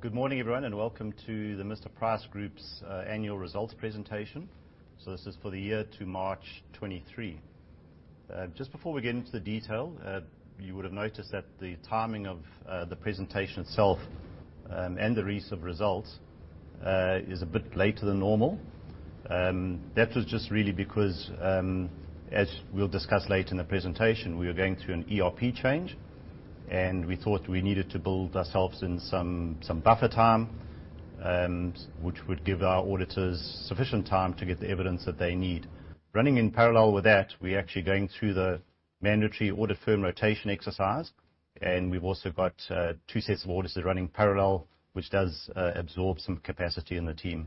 Good morning, everyone, and welcome to the Mr Price Group's annual results presentation. This is for the year to March 2023. Just before we get into the detail, you would have noticed that the timing of the presentation itself, and the release of results, is a bit later than normal. As we'll discuss later in the presentation, we are going through an ERP change, and we thought we needed to build ourselves in some buffer time, which would give our auditors sufficient time to get the evidence that they need. We're actually going through the mandatory audit firm rotation exercise, and we've also got two sets of auditors that are running parallel, which does absorb some capacity in the team.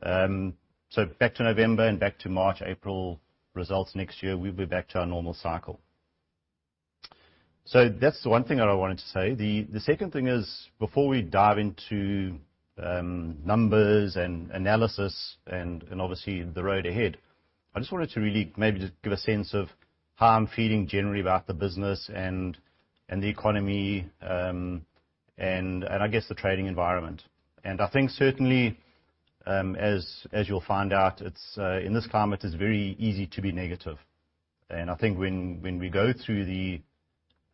Back to November and back to March, April results next year, we'll be back to our normal cycle. That's the one thing that I wanted to say. The second thing is, before we dive into numbers and analysis and obviously the road ahead, I just wanted to really maybe just give a sense of how I'm feeling generally about the business and the economy, and I guess the trading environment. I think certainly, as you'll find out, in this climate, it's very easy to be negative. I think when we go through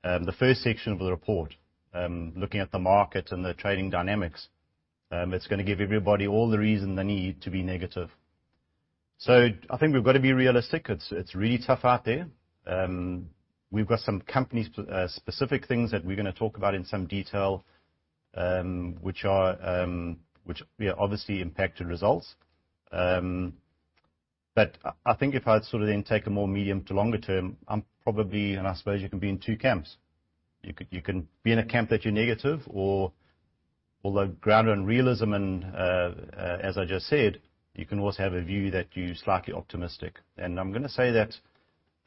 the first section of the report, looking at the market and the trading dynamics, it's going to give everybody all the reason they need to be negative. I think we've got to be realistic. It's really tough out there. We've got some company-specific things that we're going to talk about in some detail, which obviously impacted results. I think if I take a more medium to longer term, I'm probably, I suppose you can be in two camps. You can be in a camp that you're negative, or although grounded in realism, and as I just said, you can also have a view that you're slightly optimistic. I'm going to say that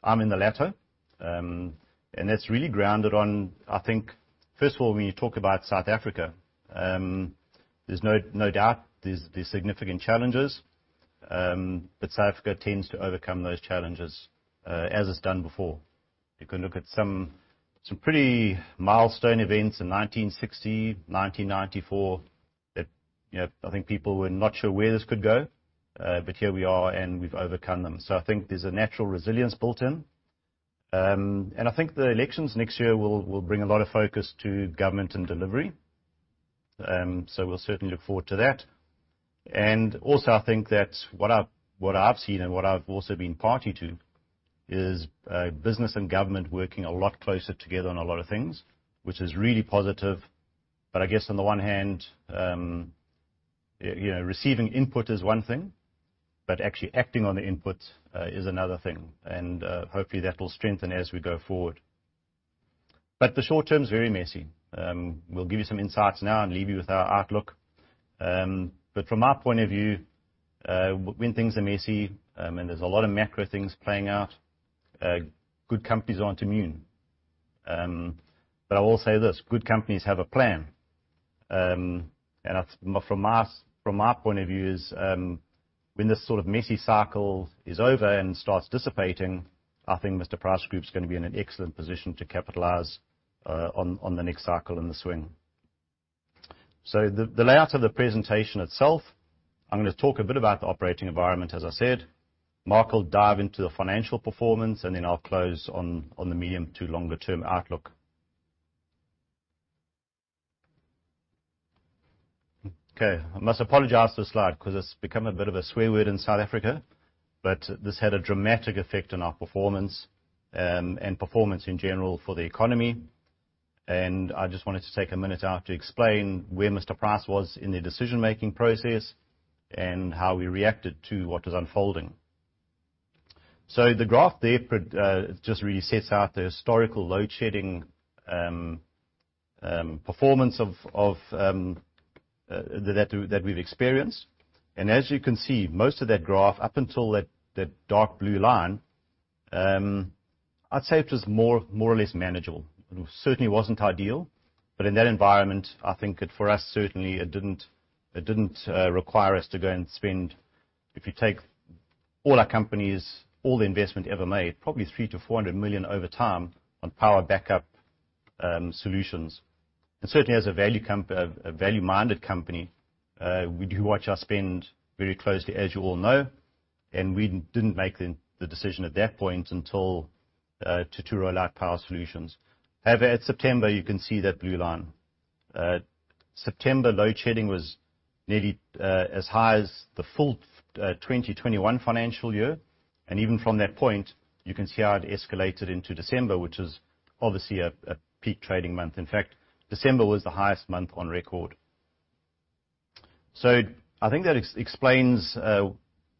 I'm in the latter. That's really grounded on, I think, first of all, when you talk about South Africa, there's no doubt there's significant challenges, but South Africa tends to overcome those challenges as it's done before. You can look at some pretty milestone events in 1960, 1994, that I think people were not sure where this could go. Here we are, and we've overcome them. I think there's a natural resilience built in. I think the elections next year will bring a lot of focus to government and delivery, so we'll certainly look forward to that. I think that what I've seen and what I've also been party to, is business and government working a lot closer together on a lot of things, which is really positive. I guess on the one hand, receiving input is one thing, but actually acting on the input is another thing. Hopefully, that will strengthen as we go forward. The short-term is very messy. We'll give you some insights now and leave you with our outlook. From my point of view, when things are messy, and there's a lot of macro things playing out, good companies aren't immune. I will say this, good companies have a plan. From my point of view is, when this messy cycle is over and starts dissipating, I think Mr Price Group is going to be in an excellent position to capitalize on the next cycle and the swing. The layout of the presentation itself, I'm going to talk a bit about the operating environment, as I said. Mark will dive into the financial performance, and then I'll close on the medium to longer term outlook. Okay. I must apologize for this slide because it's become a bit of a swear word in South Africa. This had a dramatic effect on our performance, and performance in general for the economy. I just wanted to take a minute now to explain where Mr Price was in their decision-making process and how we reacted to what was unfolding. The graph there just really sets out the historical load shedding performance that we've experienced. As you can see, most of that graph, up until that dark blue line, I'd say it was more or less manageable. It certainly wasn't ideal. In that environment, I think it, for us, certainly it didn't require us to go and spend If you take all our companies, all the investment ever made, probably 300 million-400 million over time on power backup solutions. Certainly as a value-minded company, we do watch our spend very closely, as you all know. We didn't make the decision at that point until to two rollout power solutions. However, at September, you can see that blue line. September load shedding was nearly as high as the full 2021 financial year. Even from that point, you can see how it escalated into December, which is obviously a peak trading month. In fact, December was the highest month on record. I think that explains how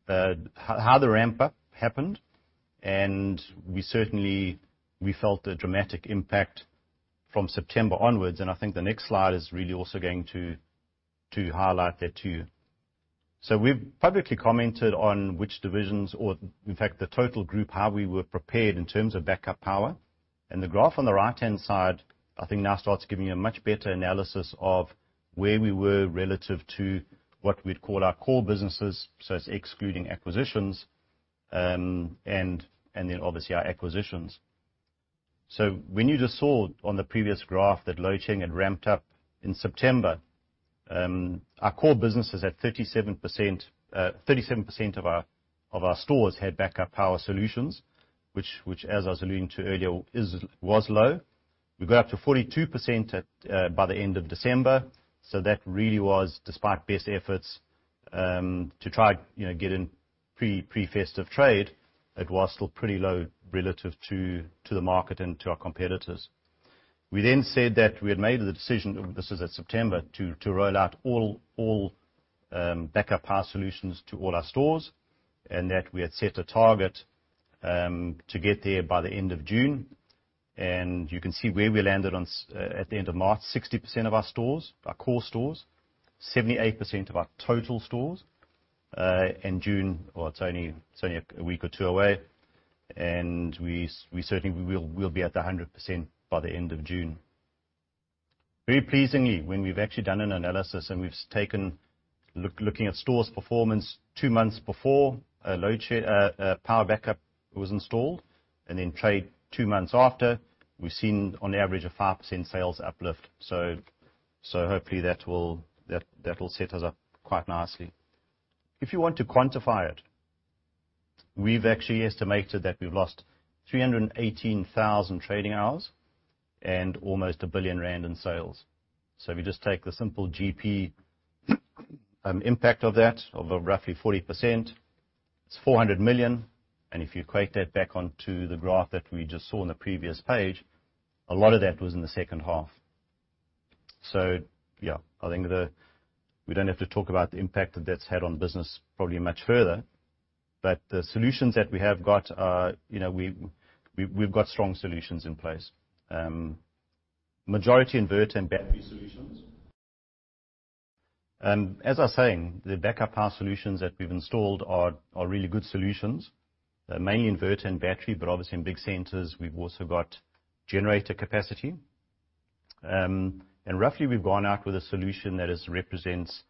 the ramp-up happened, and we certainly felt the dramatic impact from September onwards, and I think the next slide is really also going to highlight that too. We've publicly commented on which divisions, or in fact, the total group, how we were prepared in terms of backup power. The graph on the right-hand side, I think now starts giving you a much better analysis of where we were relative to what we'd call our core businesses, so it's excluding acquisitions, and then obviously our acquisitions. When you just saw on the previous graph that load shedding had ramped up in September, our core business is at 37% of our stores had backup power solutions, which as I was alluding to earlier, was low. We got up to 42% by the end of December. That really was despite best efforts to try get in pre-festive trade, it was still pretty low relative to the market and to our competitors. We then said that we had made the decision, this is at September, to roll out all backup power solutions to all our stores and that we had set a target to get there by the end of June. You can see where we landed at the end of March, 60% of our stores, our core stores, 78% of our total stores in June. It's only a week or two away, and we certainly will be at the 100% by the end of June. Very pleasingly, when we've actually done an analysis and we've taken, looking at stores performance two months before power backup was installed, and then trade two months after, we've seen on average a 5% sales uplift. Hopefully that will set us up quite nicely. If you want to quantify it, we've actually estimated that we've lost 318,000 trading hours and almost 1 billion rand in sales. If you just take the simple GP impact of that, of a roughly 40%, it's 400 million. If you equate that back onto the graph that we just saw on the previous page, a lot of that was in the second half. Yeah, I think we don't have to talk about the impact that that's had on the business probably much further, the solutions that we have got are, we've got strong solutions in place. Majority inverter and battery solutions. As I was saying, the backup power solutions that we've installed are really good solutions. They're mainly inverter and battery, obviously in big centers we've also got generator capacity. Roughly we've gone out with a solution that represents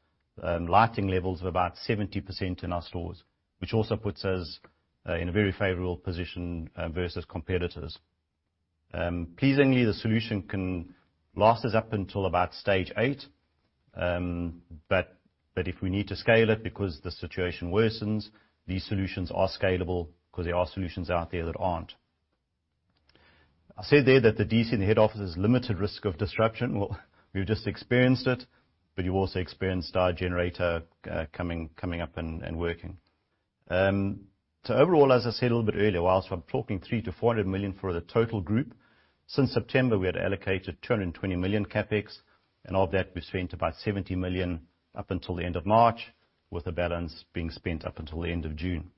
lighting levels of about 70% in our stores, which also puts us in a very favorable position versus competitors. Pleasingly, the solution can last us up until about stage 8. If we need to scale it because the situation worsens, these solutions are scalable because there are solutions out there that aren't. I said there that the DC and the head office has limited risk of disruption. We've just experienced it, you also experienced our generator coming up and working. Overall, as I said a little bit earlier, whilst I'm talking 300 million to 400 million for the total group, since September, we had allocated 220 million CapEx and of that we've spent about 70 million up until the end of March, with the balance being spent up until the end of June.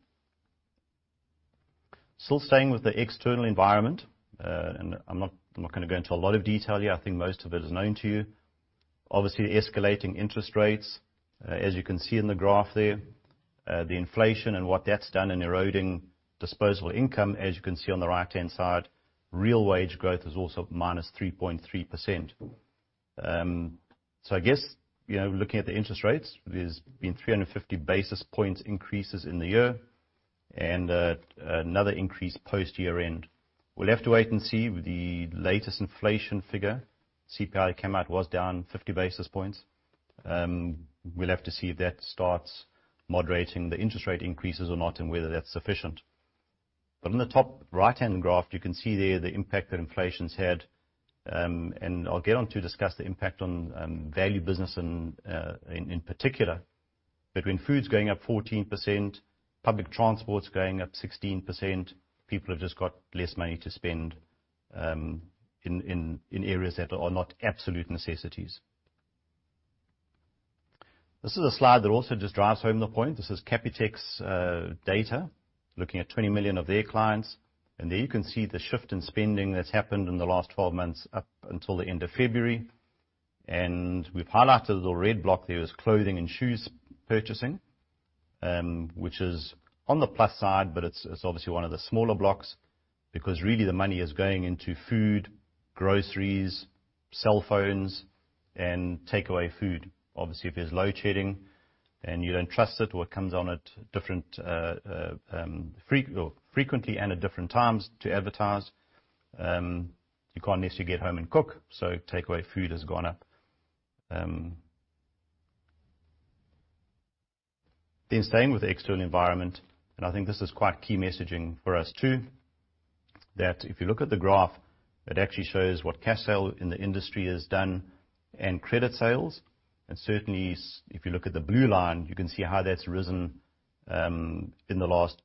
Still staying with the external environment, I'm not going to go into a lot of detail here. I think most of it is known to you. Obviously, escalating interest rates, as you can see in the graph there, the inflation and what that's done in eroding disposable income, as you can see on the right-hand side, real wage growth is also -3.3%. I guess, looking at the interest rates, there's been 350 basis points increases in the year and another increase post-year end. We'll have to wait and see the latest inflation figure. CPI that came out was down 50 basis points. We'll have to see if that starts moderating the interest rate increases or not, and whether that's sufficient. On the top right-hand graph, you can see there the impact that inflation's had. I'll get on to discuss the impact on value business in particular. Between foods going up 14%, public transport's going up 16%, people have just got less money to spend in areas that are not absolute necessities. This is a slide that also just drives home the point. This is Capitec's data, looking at 20 million of their clients. There you can see the shift in spending that's happened in the last 12 months up until the end of February. We've highlighted the red block there as clothing and shoes purchasing, which is on the plus side, but it's obviously one of the smaller blocks because really the money is going into food, groceries, cell phones, and takeaway food. Obviously, if there's load shedding and you don't trust it or it comes on at different, frequently and at different times to advertise, you can't necessarily get home and cook. Takeaway food has gone up. Staying with the external environment, I think this is quite key messaging for us too, that if you look at the graph, it actually shows what cash sale in the industry has done and credit sales. Certainly if you look at the blue line, you can see how that's risen in the last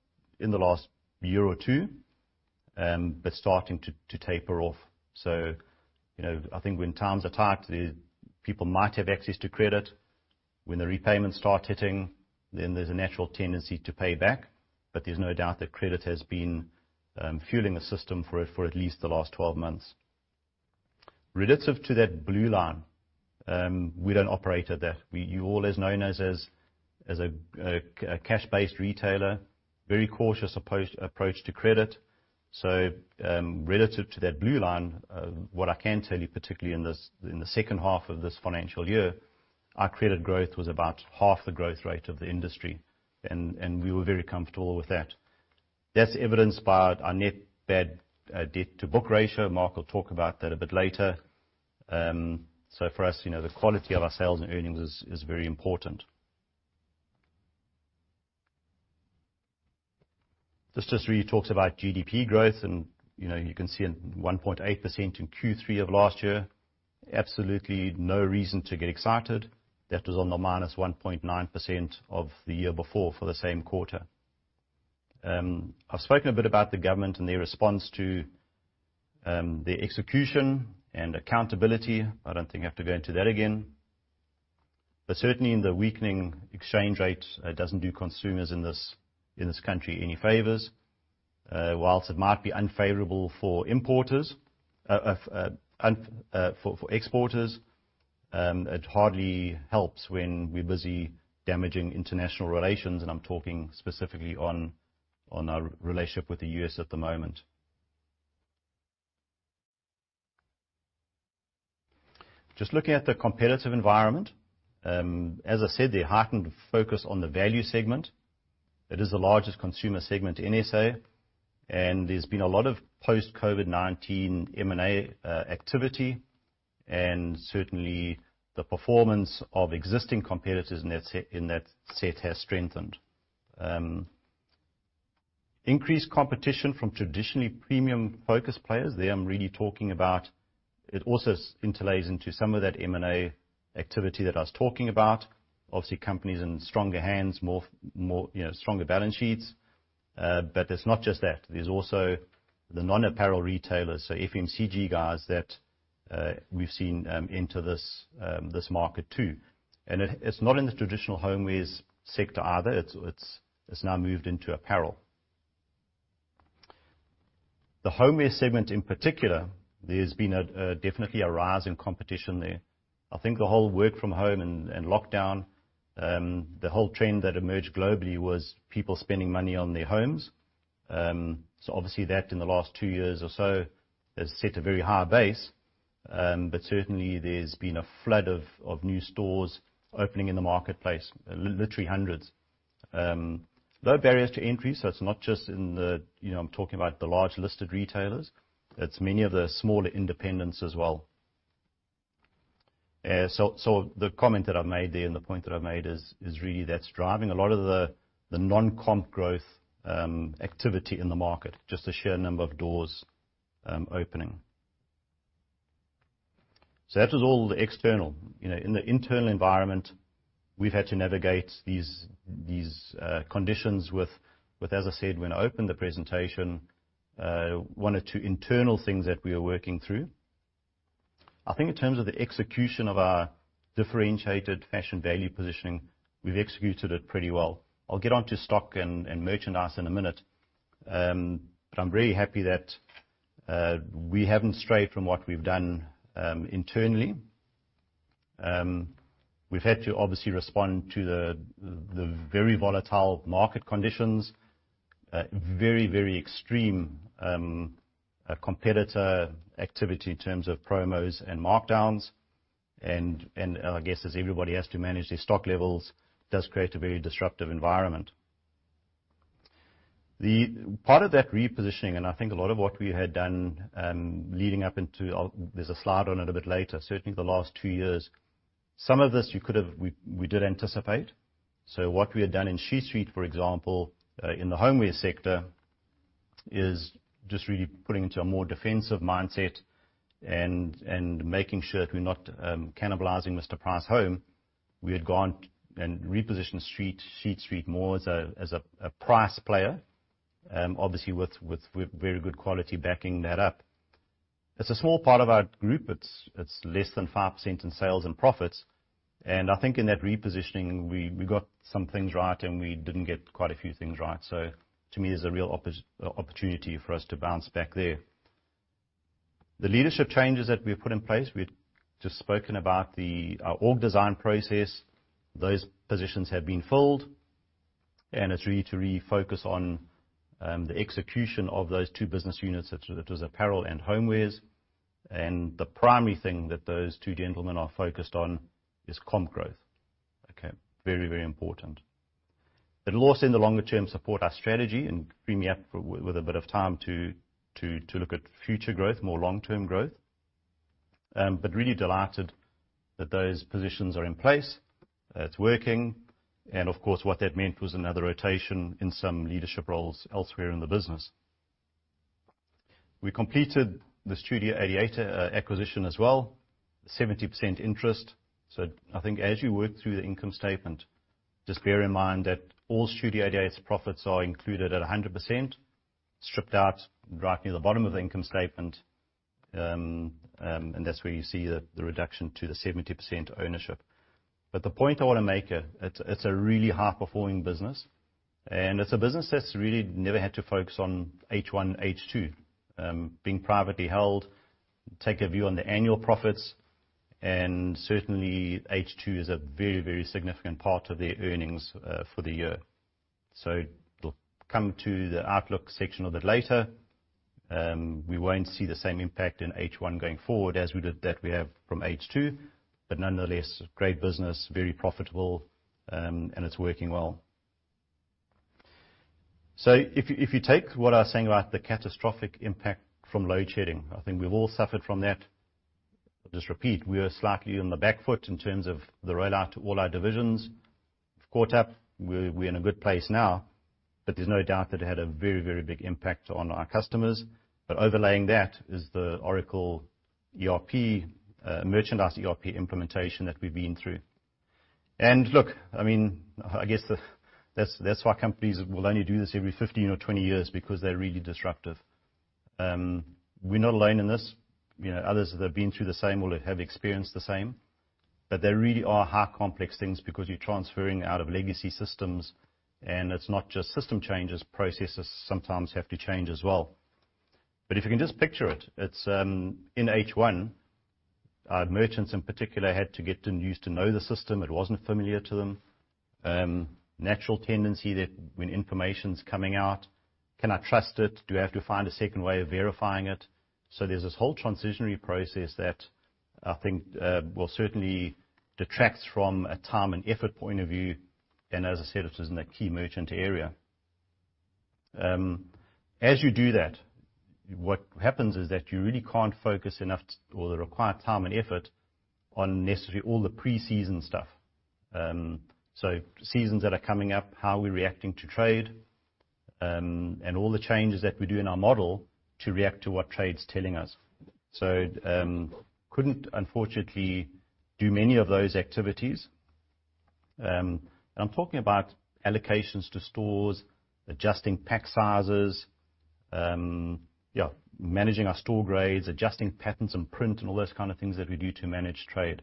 year or two. Starting to taper off. I think when times are tight, people might have access to credit. When the repayments start hitting, there's a natural tendency to pay back. There's no doubt that credit has been fueling the system for at least the last 12 months. Relative to that blue line, we don't operate at that. You all as known us as a cash-based retailer, very cautious approach to credit. Relative to that blue line, what I can tell you, particularly in the second half of this financial year. Our credit growth was about half the growth rate of the industry, we were very comfortable with that. That's evidenced by our net bad debt to book ratio. Mark will talk about that a bit later. For us, the quality of our sales and earnings is very important. This just really talks about GDP growth, and you can see it, 1.8% in Q3 of last year. Absolutely no reason to get excited. That was on the -1.9% of the year before for the same quarter. I've spoken a bit about the government and their response to their execution and accountability. I don't think I have to go into that again. Certainly, the weakening exchange rate doesn't do consumers in this country any favors. Whilst it might be unfavorable for exporters, it hardly helps when we're busy damaging international relations. I'm talking specifically on our relationship with the U.S. at the moment. Just looking at the competitive environment. As I said, the heightened focus on the value segment, it is the largest consumer segment in SA. There's been a lot of post-COVID-19 M&A activity. Certainly, the performance of existing competitors in that set has strengthened. Increased competition from traditionally premium-focused players. There, I'm really talking about. It also interlays into some of that M&A activity that I was talking about. Obviously, companies in stronger hands, stronger balance sheets. It's not just that. There's also the non-apparel retailers, FMCG guys that we've seen enter this market too. It's not in the traditional homewares sector either. It's now moved into apparel. The homeware segment in particular, there's been definitely a rise in competition there. I think the whole work from home and lockdown, the whole trend that emerged globally was people spending money on their homes. Obviously that, in the last two years or so, has set a very high base. Certainly, there's been a flood of new stores opening in the marketplace, literally hundreds. Low barriers to entry, so it's not just in the I'm talking about the large listed retailers. It's many of the smaller independents as well. The comment that I've made there and the point that I've made is really that's driving a lot of the non-comp growth activity in the market, just the sheer number of doors opening. That was all the external. In the internal environment, we've had to navigate these conditions with, as I said when I opened the presentation, one or two internal things that we are working through. I think in terms of the execution of our differentiated fashion value positioning, we've executed it pretty well. I'll get onto stock and merchandise in a minute. I'm very happy that we haven't strayed from what we've done internally. We've had to obviously respond to the very volatile market conditions, very extreme competitor activity in terms of promos and markdowns. I guess as everybody has to manage their stock levels, it does create a very disruptive environment. Part of that repositioning, and I think a lot of what we had done leading up into There's a slide on it a bit later, certainly the last two years. Some of this, we did anticipate. What we had done in Sheet Street, for example, in the homeware sector, is just really putting into a more defensive mindset and making sure that we're not cannibalizing Mr Price Home. We had gone and repositioned Sheet Street more as a price player, obviously with very good quality backing that up. It's a small part of our group. It's less than 5% in sales and profits, and I think in that repositioning, we got some things right and we didn't get quite a few things right. To me, there's a real opportunity for us to bounce back there. The leadership changes that we've put in place, we've just spoken about the org design process. Those positions have been filled, and it's really to refocus on the execution of those two business units, that is apparel and homewares. The primary thing that those two gentlemen are focused on is comp growth. Okay? Very important. It'll also, in the longer term, support our strategy and free me up with a bit of time to look at future growth, more long-term growth. Really delighted that those positions are in place. It's working, and of course, what that meant was another rotation in some leadership roles elsewhere in the business. We completed the Studio 88 acquisition as well, 70% interest. I think as you work through the income statement, just bear in mind that all Studio 88's profits are included at 100%, stripped out right near the bottom of the income statement, and that's where you see the reduction to the 70% ownership. The point I want to make, it's a really high-performing business, and it's a business that's really never had to focus on H1, H2. Being privately held, take a view on the annual profits, and certainly, H2 is a very significant part of their earnings for the year. We'll come to the outlook section a bit later. We won't see the same impact in H1 going forward as we did that we have from H2, but nonetheless, great business, very profitable, and it's working well. If you take what I was saying about the catastrophic impact from load shedding, I think we've all suffered from that. I'll just repeat, we are slightly on the back foot in terms of the rollout to all our divisions. We've caught up. We're in a good place now, but there's no doubt that it had a very, very big impact on our customers. Overlaying that is the Oracle ERP, merchandise ERP implementation that we've been through. Look, I guess, that's why companies will only do this every 15 or 20 years, because they're really disruptive. We're not alone in this. Others that have been through the same or have experienced the same, but they really are hard, complex things because you're transferring out of legacy systems, and it's not just system changes. Processes sometimes have to change as well. If you can just picture it, in H1, our merchants in particular had to get used to know the system. It wasn't familiar to them. Natural tendency that when information's coming out, can I trust it? Do I have to find a second way of verifying it? There's this whole transitionary process that I think certainly detracts from a time and effort point of view, and as I said, it was in a key merchant area. As you do that, what happens is that you really can't focus enough or require time and effort on necessarily all the pre-season stuff. Seasons that are coming up, how we're reacting to trade, and all the changes that we do in our model to react to what trade's telling us. Couldn't, unfortunately, do many of those activities. I'm talking about allocations to stores, adjusting pack sizes, managing our store grades, adjusting patterns and print, and all those kind of things that we do to manage trade.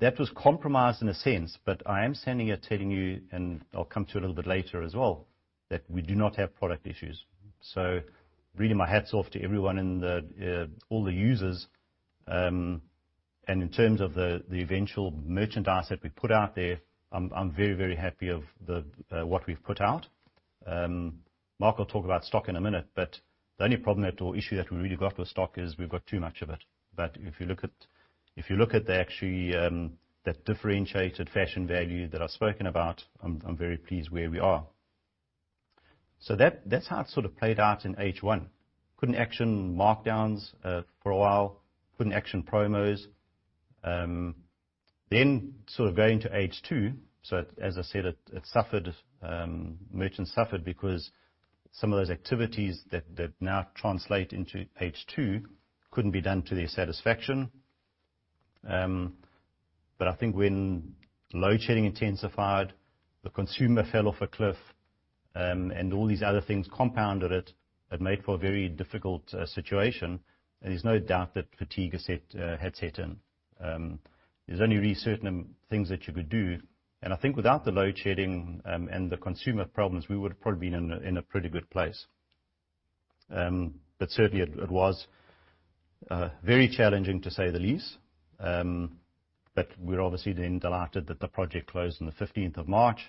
That was compromised in a sense, but I am standing here telling you, and I'll come to it a little bit later as well, that we do not have product issues. Really my hat's off to everyone and all the users. In terms of the eventual merchandise that we put out there, I'm very, very happy of what we've put out. Mark will talk about stock in a minute, but the only problem or issue that we really got with stock is we've got too much of it. If you look at actually that differentiated fashion value that I've spoken about, I'm very pleased where we are. That's how it sort of played out in H1. Couldn't action markdowns for a while, couldn't action promos. Sort of going to H2, as I said, merchants suffered because some of those activities that now translate into H2 couldn't be done to their satisfaction. I think when load shedding intensified, the consumer fell off a cliff, and all these other things compounded it. It made for a very difficult situation. There's no doubt that fatigue had set in. There's only really certain things that you could do, and I think without the load shedding and the consumer problems, we would have probably been in a pretty good place. Certainly it was very challenging, to say the least. We're obviously then delighted that the project closed on the 15th of March,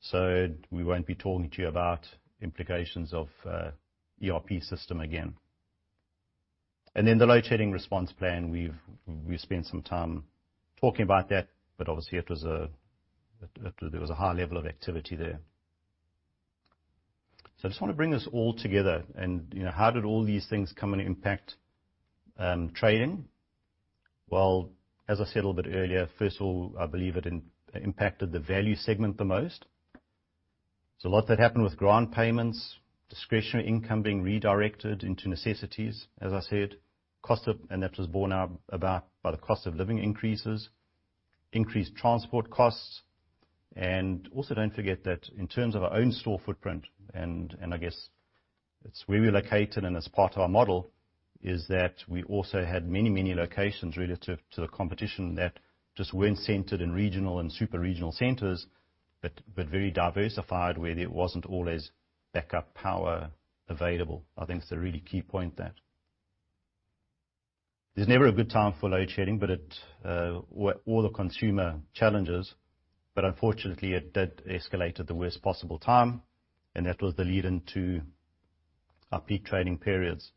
so we won't be talking to you about implications of ERP system again. The load shedding response plan, we've spent some time talking about that, but obviously there was a high level of activity there. I just want to bring this all together and how did all these things come and impact trading? As I said a little bit earlier, first of all, I believe it impacted the value segment the most. A lot that happened with grant payments, discretionary income being redirected into necessities. As I said, that was born out by the cost of living increases, increased transport costs. Also don't forget that in terms of our own store footprint, and I guess it's where we're located and as part of our model, is that we also had many, many locations relative to the competition that just weren't centered in regional and super regional centers, but very diversified where there wasn't always backup power available. I think it's a really key point there. There's never a good time for load shedding or the consumer challenges, unfortunately, it did escalate at the worst possible time, and that was the lead into our peak trading periods.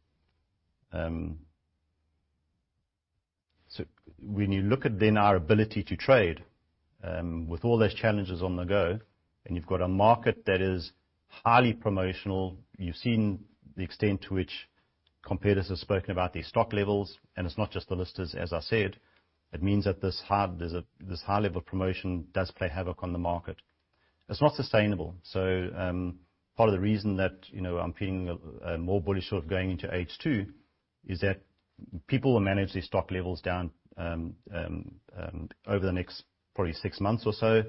When you look at then our ability to trade with all those challenges on the go, and you've got a market that is highly promotional, you've seen the extent to which competitors have spoken about their stock levels. It's not just the listers, as I said. It means that this high level of promotion does play havoc on the market. It's not sustainable. Part of the reason that I'm feeling more bullish sort of going into H2 is that people will manage their stock levels down over the next probably 6 months or so.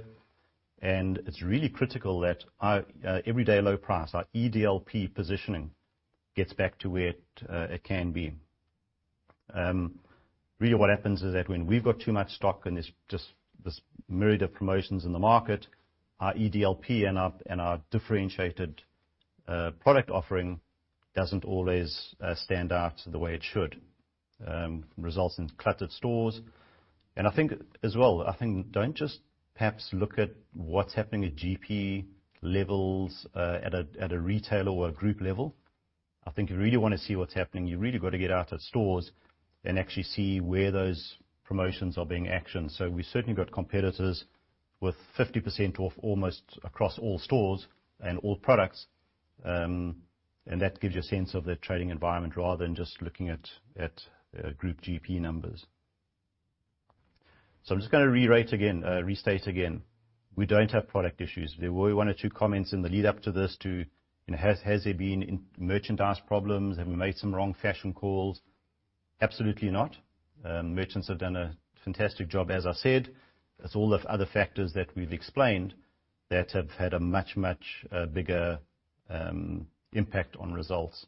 It's really critical that our everyday low price, our EDLP positioning, gets back to where it can be. Really what happens is that when we've got too much stock and there's just this myriad of promotions in the market, our EDLP and our differentiated product offering doesn't always stand out the way it should. Results in cluttered stores. I think as well, don't just perhaps look at what's happening at GP levels at a retail or a group level. I think you really want to see what's happening, you really got to get out at stores and actually see where those promotions are being actioned. We certainly got competitors with 50% off almost across all stores and all products, and that gives you a sense of the trading environment rather than just looking at group GP numbers. I'm just going to restate again, we don't have product issues. There were one or two comments in the lead up to this to, has there been merchandise problems? Have we made some wrong fashion calls? Absolutely not. Merchants have done a fantastic job, as I said. It's all the other factors that we've explained that have had a much, much bigger impact on results.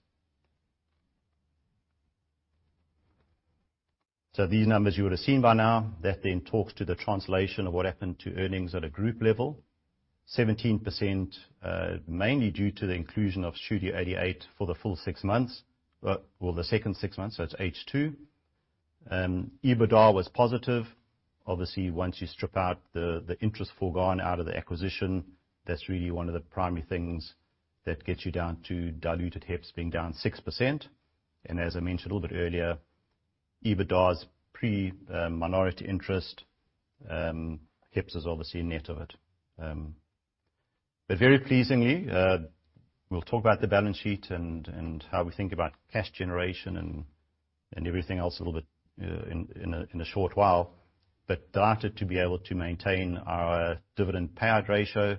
These numbers you would have seen by now, that talks to the translation of what happened to earnings at a group level, 17% mainly due to the inclusion of Studio 88 for the full six months or the second six months, so it's H2. EBITDA was positive. Obviously, once you strip out the interest forgone out of the acquisition, that's really one of the primary things that gets you down to diluted HEPS being down 6%. As I mentioned a little bit earlier, EBITDA's pre minority interest, HEPS is obviously a net of it. Very pleasingly, we'll talk about the balance sheet and how we think about cash generation and everything else a little bit in a short while. Delighted to be able to maintain our dividend payout ratio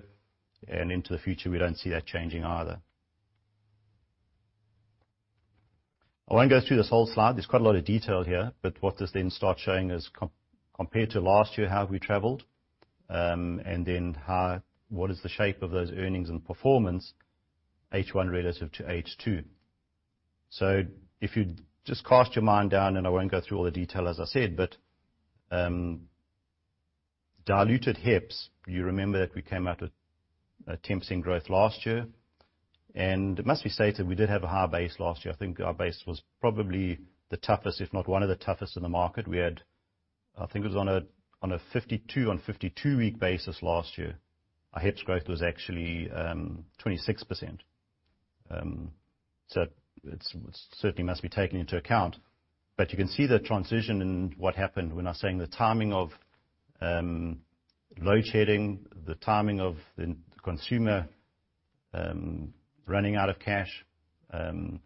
and into the future, we don't see that changing either. I won't go through this whole slide. There's quite a lot of detail here, but what this starts showing is compared to last year, how have we traveled? What is the shape of those earnings and performance H1 relative to H2? If you just cast your mind down, and I won't go through all the detail, as I said, but diluted HEPS, you remember that we came out with a 10% growth last year. It must be stated, we did have a higher base last year. I think our base was probably the toughest, if not one of the toughest in the market. We had, I think it was on a 52-week basis last year. Our HEPS growth was actually 26%. It certainly must be taken into account. You can see the transition in what happened. We're now saying the timing of load shedding, the timing of the consumer running out of cash, and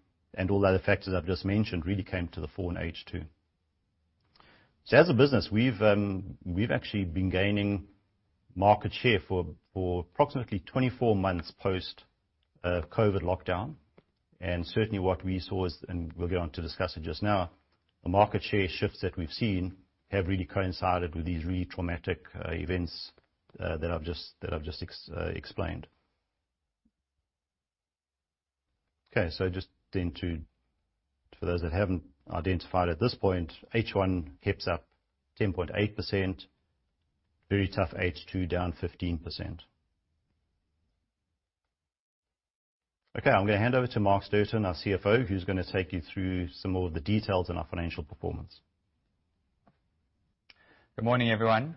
all the other factors I've just mentioned really came to the fore in H2. As a business, we've actually been gaining market share for approximately 24 months post COVID lockdown. Certainly what we saw is, and we'll go on to discuss it just now, the market share shifts that we've seen have really coincided with these really traumatic events that I've just explained. Okay. Just to, for those that haven't identified at this point, H1 HEPS up 10.8%, very tough H2 down 15%. Okay, I'm going to hand over to Mark Stirton, our CFO, who's going to take you through some more of the details in our financial performance. Good morning, everyone.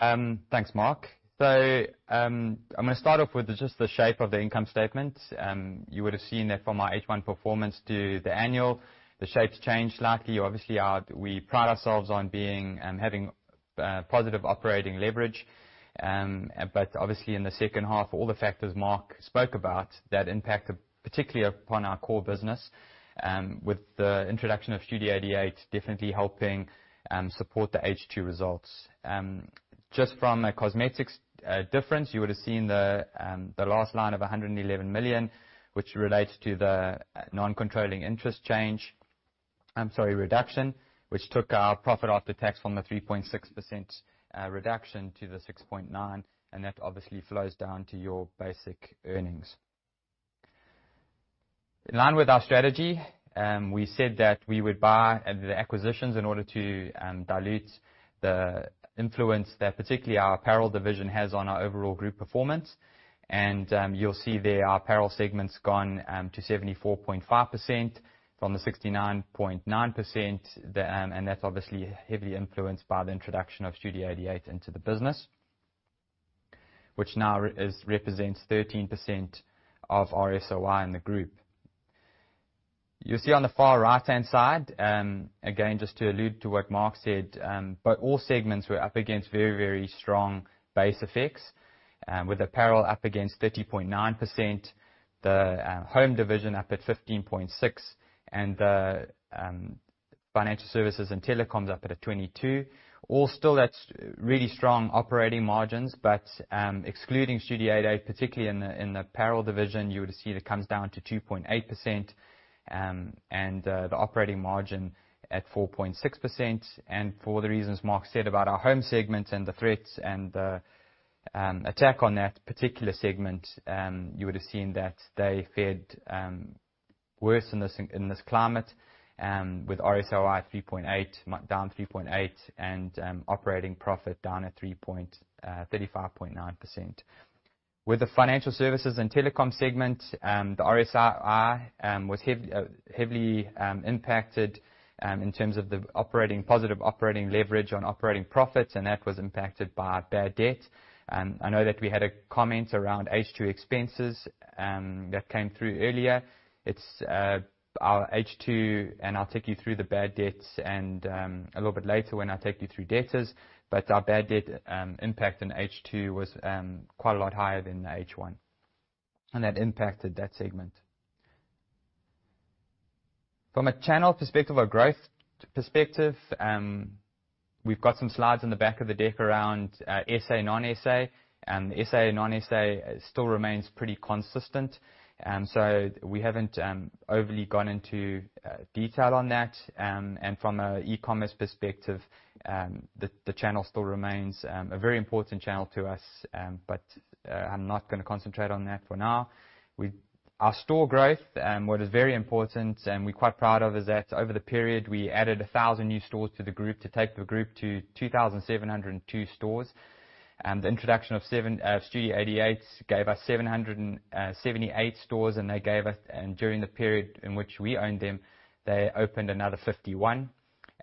Thanks, Mark. I'm going to start off with just the shape of the income statement. You would have seen that from our H1 performance to the annual, the shapes changed slightly. Obviously, we pride ourselves on having positive operating leverage. Obviously in the second half, all the factors Mark spoke about that impacted particularly upon our core business, with the introduction of Studio 88 definitely helping support the H2 results. Just from a cosmetics difference, you would have seen the last line of 111 million, which relates to the non-controlling interest change, I'm sorry, reduction, which took our profit after tax from the 3.6% reduction to the 6.9%, and that obviously flows down to your basic earnings. In line with our strategy, we said that we would buy the acquisitions in order to dilute the influence that particularly our apparel division has on our overall group performance. You'll see there, our apparel segment's gone to 74.5% from the 69.9%, and that's obviously heavily influenced by the introduction of Studio 88 into the business, which now represents 13% of RSOI in the group. You'll see on the far right-hand side, again, just to allude to what Mark said, all segments were up against very, very strong base effects, with apparel up against 30.9%, the home division up at 15.6%, and the financial services and telecoms up at a 22%. All still that's really strong operating margins, but excluding Studio 88, particularly in the apparel division, you would see that comes down to 2.8% and the operating margin at 4.6%. For the reasons Mark said about our home segment and the threats and the attack on that particular segment, you would have seen that they fared worse in this climate with RSOI down 3.8%, and operating profit down at 35.9%. With the financial services and telecoms segment, the RSOI was heavily impacted in terms of the positive operating leverage on operating profits, and that was impacted by bad debt. I know that we had a comment around H2 expenses that came through earlier. It's our H2, I'll take you through the bad debts a little bit later when I take you through debtors, but our bad debt impact in H2 was quite a lot higher than H1, that impacted that segment. From a channel perspective or growth perspective, we've got some slides in the back of the deck around SA/Non-SA, the SA/Non-SA still remains pretty consistent. We haven't overly gone into detail on that. From an e-commerce perspective, the channel still remains a very important channel to us, I'm not going to concentrate on that for now. Our store growth, what is very important and we're quite proud of, is that over the period, we added 1,000 new stores to the group to take the group to 2,702 stores. The introduction of Studio 88 gave us 778 stores, and during the period in which we owned them, they opened another 51, and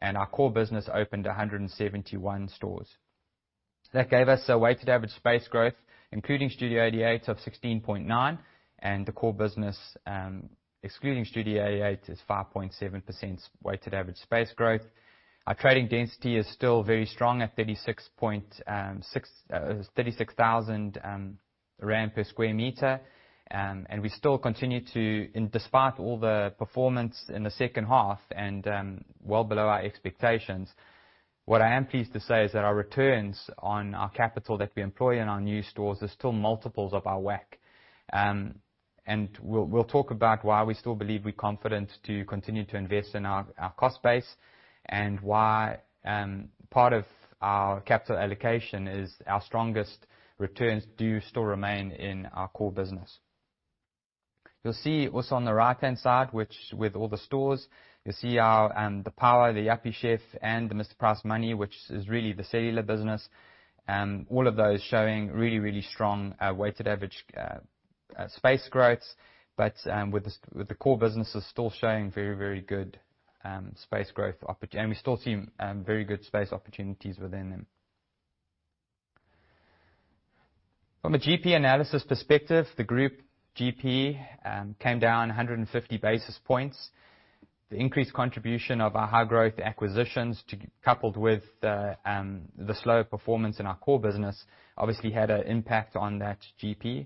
our core business opened 171 stores. That gave us a weighted average space growth, including Studio 88, of 16.9%, and the core business, excluding Studio 88, is 5.7% weighted average space growth. Our trading density is still very strong at 36,000 rand per square meter. Despite all the performance in the second half and well below our expectations, what I am pleased to say is that our returns on our capital that we employ in our new stores are still multiples of our WACC. We will talk about why we still believe we are confident to continue to invest in our cost base and why part of our capital allocation is our strongest returns do still remain in our core business. You will see also on the right-hand side, with all the stores, you will see the Power Fashion, the Yuppiechef, and the Mr Price Money, which is really the cellular business, all of those showing really strong weighted average space growths, but with the core businesses still showing very good space growth. We still see very good space opportunities within them. From a GP analysis perspective, the group GP came down 150 basis points. The increased contribution of our high-growth acquisitions, coupled with the slower performance in our core business, obviously had an impact on that GP.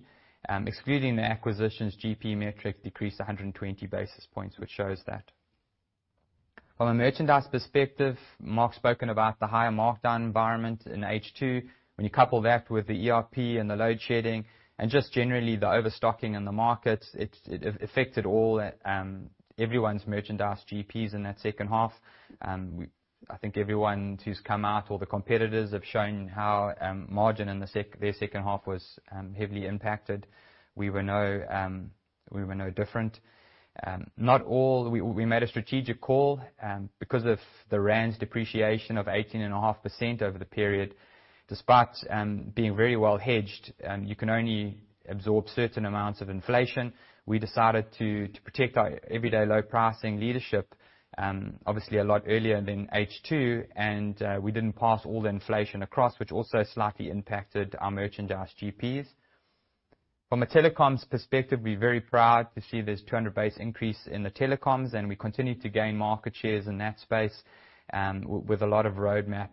Excluding the acquisitions, GP metric decreased 120 basis points, which shows that. From a merchandise perspective, Mark's spoken about the higher markdown environment in H2. When you couple that with the ERP and the load shedding and just generally the overstocking in the market, it affected everyone's merchandise GPs in that second half. I think everyone who has come out or the competitors have shown how margin in their second half was heavily impacted. We were no different. We made a strategic call because of the rand's depreciation of 18.5% over the period. Despite being very well hedged, you can only absorb certain amounts of inflation. We decided to protect our everyday low pricing leadership, obviously a lot earlier than H2, and we did not pass all the inflation across, which also slightly impacted our merchandise GPs. From a telecoms perspective, we are very proud to see this 200 basis point increase in the telecoms, and we continue to gain market shares in that space with a lot of roadmap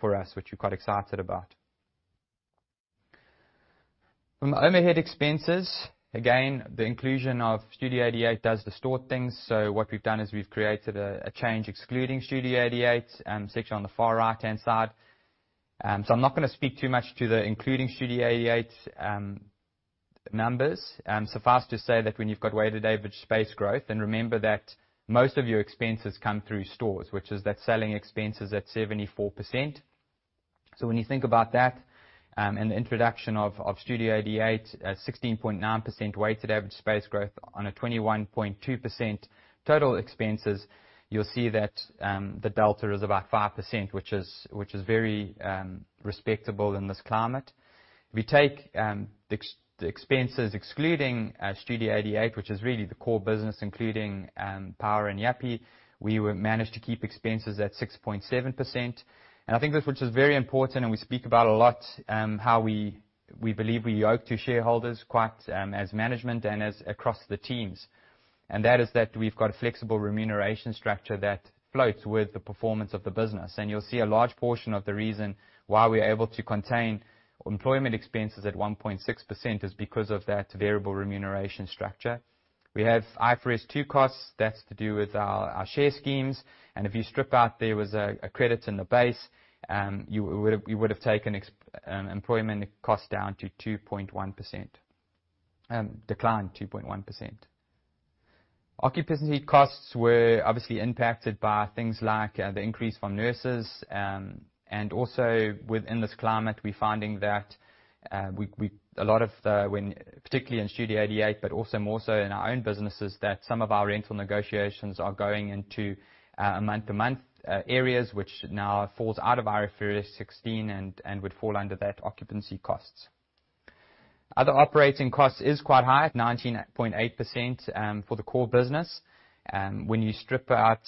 for us, which we are quite excited about. From overhead expenses, again, the inclusion of Studio 88 does distort things. So what we have done is we have created a change excluding Studio 88 section on the far right-hand side. So I am not going to speak too much to the including Studio 88 numbers. Suffice to say that when you have got weighted average space growth, and remember that most of your expenses come through stores, which is that selling expense is at 74%. So when you think about that and the introduction of Studio 88, 16.9% weighted average space growth on a 21.2% total expenses, you will see that the delta is about 5%, which is very respectable in this climate. If you take the expenses excluding Studio 88, which is really the core business, including Power Fashion and Yuppiechef, we managed to keep expenses at 6.7%. I think this, which is very important and we speak about a lot, how we believe we owe to shareholders quite as management and as across the teams, and that is that we have got a flexible remuneration structure that floats with the performance of the business. You will see a large portion of the reason why we are able to contain employment expenses at 1.6% is because of that variable remuneration structure. We have IFRS 2 costs. That is to do with our share schemes. If you strip out, there was a credit in the base, you would have taken employment cost down to 2.1%, declined 2.1%. Occupancy costs were obviously impacted by things like the increase from NERSA. Also within this climate, we're finding that a lot of, particularly in Studio 88, but also more so in our own businesses, that some of our rental negotiations are going into a month-to-month areas, which now falls out of IFRS 16 and would fall under that occupancy costs. Other operating costs is quite high at 19.8% for the core business. When you strip out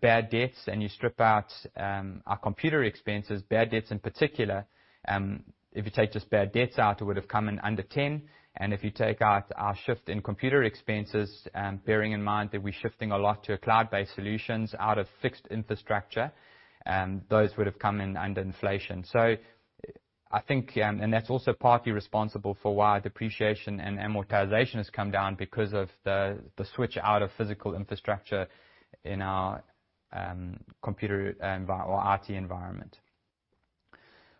bad debts and you strip out our computer expenses, bad debts in particular, if you take just bad debts out, it would've come in under 10. If you take out our shift in computer expenses, bearing in mind that we're shifting a lot to cloud-based solutions out of fixed infrastructure, those would've come in under inflation. That's also partly responsible for why depreciation and amortization has come down because of the switch out of physical infrastructure in our computer or IT environment.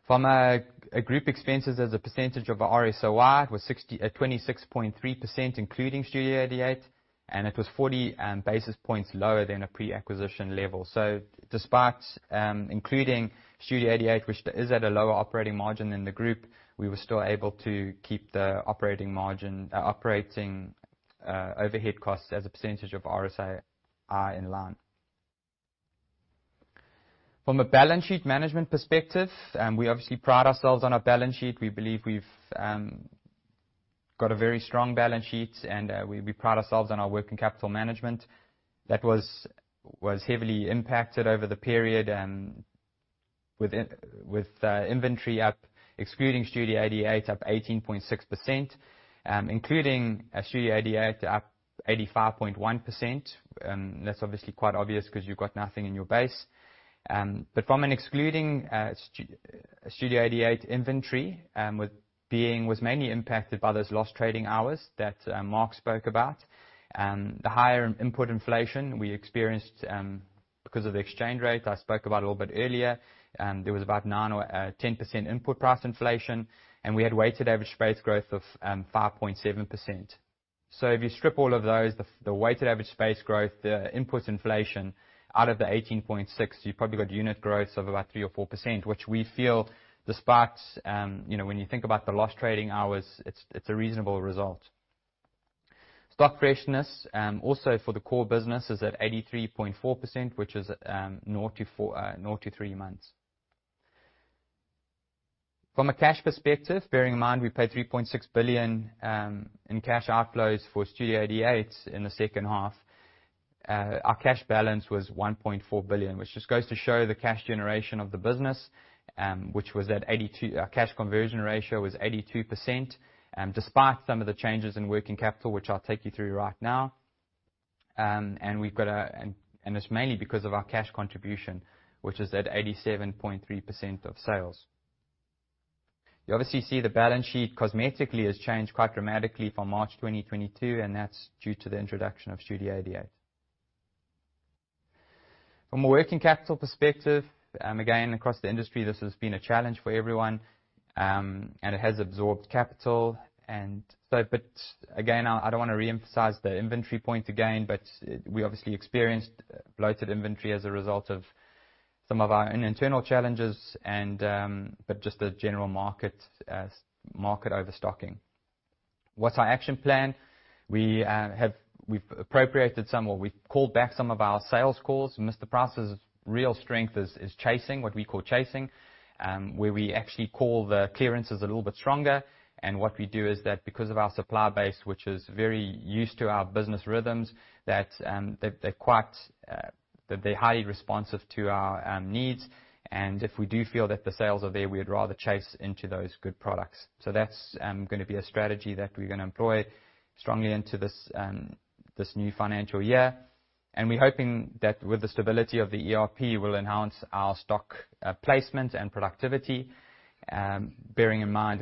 From a group expenses as a percentage of the RSOI, it was at 26.3%, including Studio 88, and it was 40 basis points lower than a pre-acquisition level. Despite including Studio 88, which is at a lower operating margin in the group, we were still able to keep the operating overhead costs as a percentage of RSOI in line. From a balance sheet management perspective, we obviously pride ourselves on our balance sheet. We believe we've got a very strong balance sheet, and we pride ourselves on our working capital management. That was heavily impacted over the period with inventory up, excluding Studio 88, up 18.6%, including Studio 88 up 85.1%. That's obviously quite obvious because you've got nothing in your base. From an excluding Studio 88 inventory was mainly impacted by those lost trading hours that Mark spoke about. The higher input inflation we experienced, because of the exchange rate I spoke about a little bit earlier, there was about 9% or 10% input price inflation, and we had weighted average space growth of 5.7%. If you strip all of those, the weighted average space growth, the input inflation out of the 18.6, you probably got unit growth of about 3% or 4%, which we feel despite when you think about the lost trading hours, it's a reasonable result. Stock freshness, also for the core business is at 83.4%, which is nought to three months. From a cash perspective, bearing in mind we paid 3.6 billion in cash outflows for Studio 88 in the second half, our cash balance was 1.4 billion, which just goes to show the cash generation of the business, our cash conversion ratio was 82%, despite some of the changes in working capital, which I'll take you through right now. It's mainly because of our cash contribution, which is at 87.3% of sales. You obviously see the balance sheet cosmetically has changed quite dramatically from March 2022, and that's due to the introduction of Studio 88. From a working capital perspective, again, across the industry this has been a challenge for everyone, and it has absorbed capital. Again, I don't want to reemphasize the inventory point again, but we obviously experienced bloated inventory as a result of some of our own internal challenges but just the general market overstocking. What's our action plan? We've appropriated some, or we've called back some of our sales calls. Mr Price's real strength is chasing, what we call chasing, where we actually call the clearances a little bit stronger. What we do is that because of our supply base, which is very used to our business rhythms, that they're highly responsive to our needs. If we do feel that the sales are there, we'd rather chase into those good products. That's going to be a strategy that we're going to employ strongly into this new financial year. We're hoping that with the stability of the ERP will enhance our stock placement and productivity. Bearing in mind,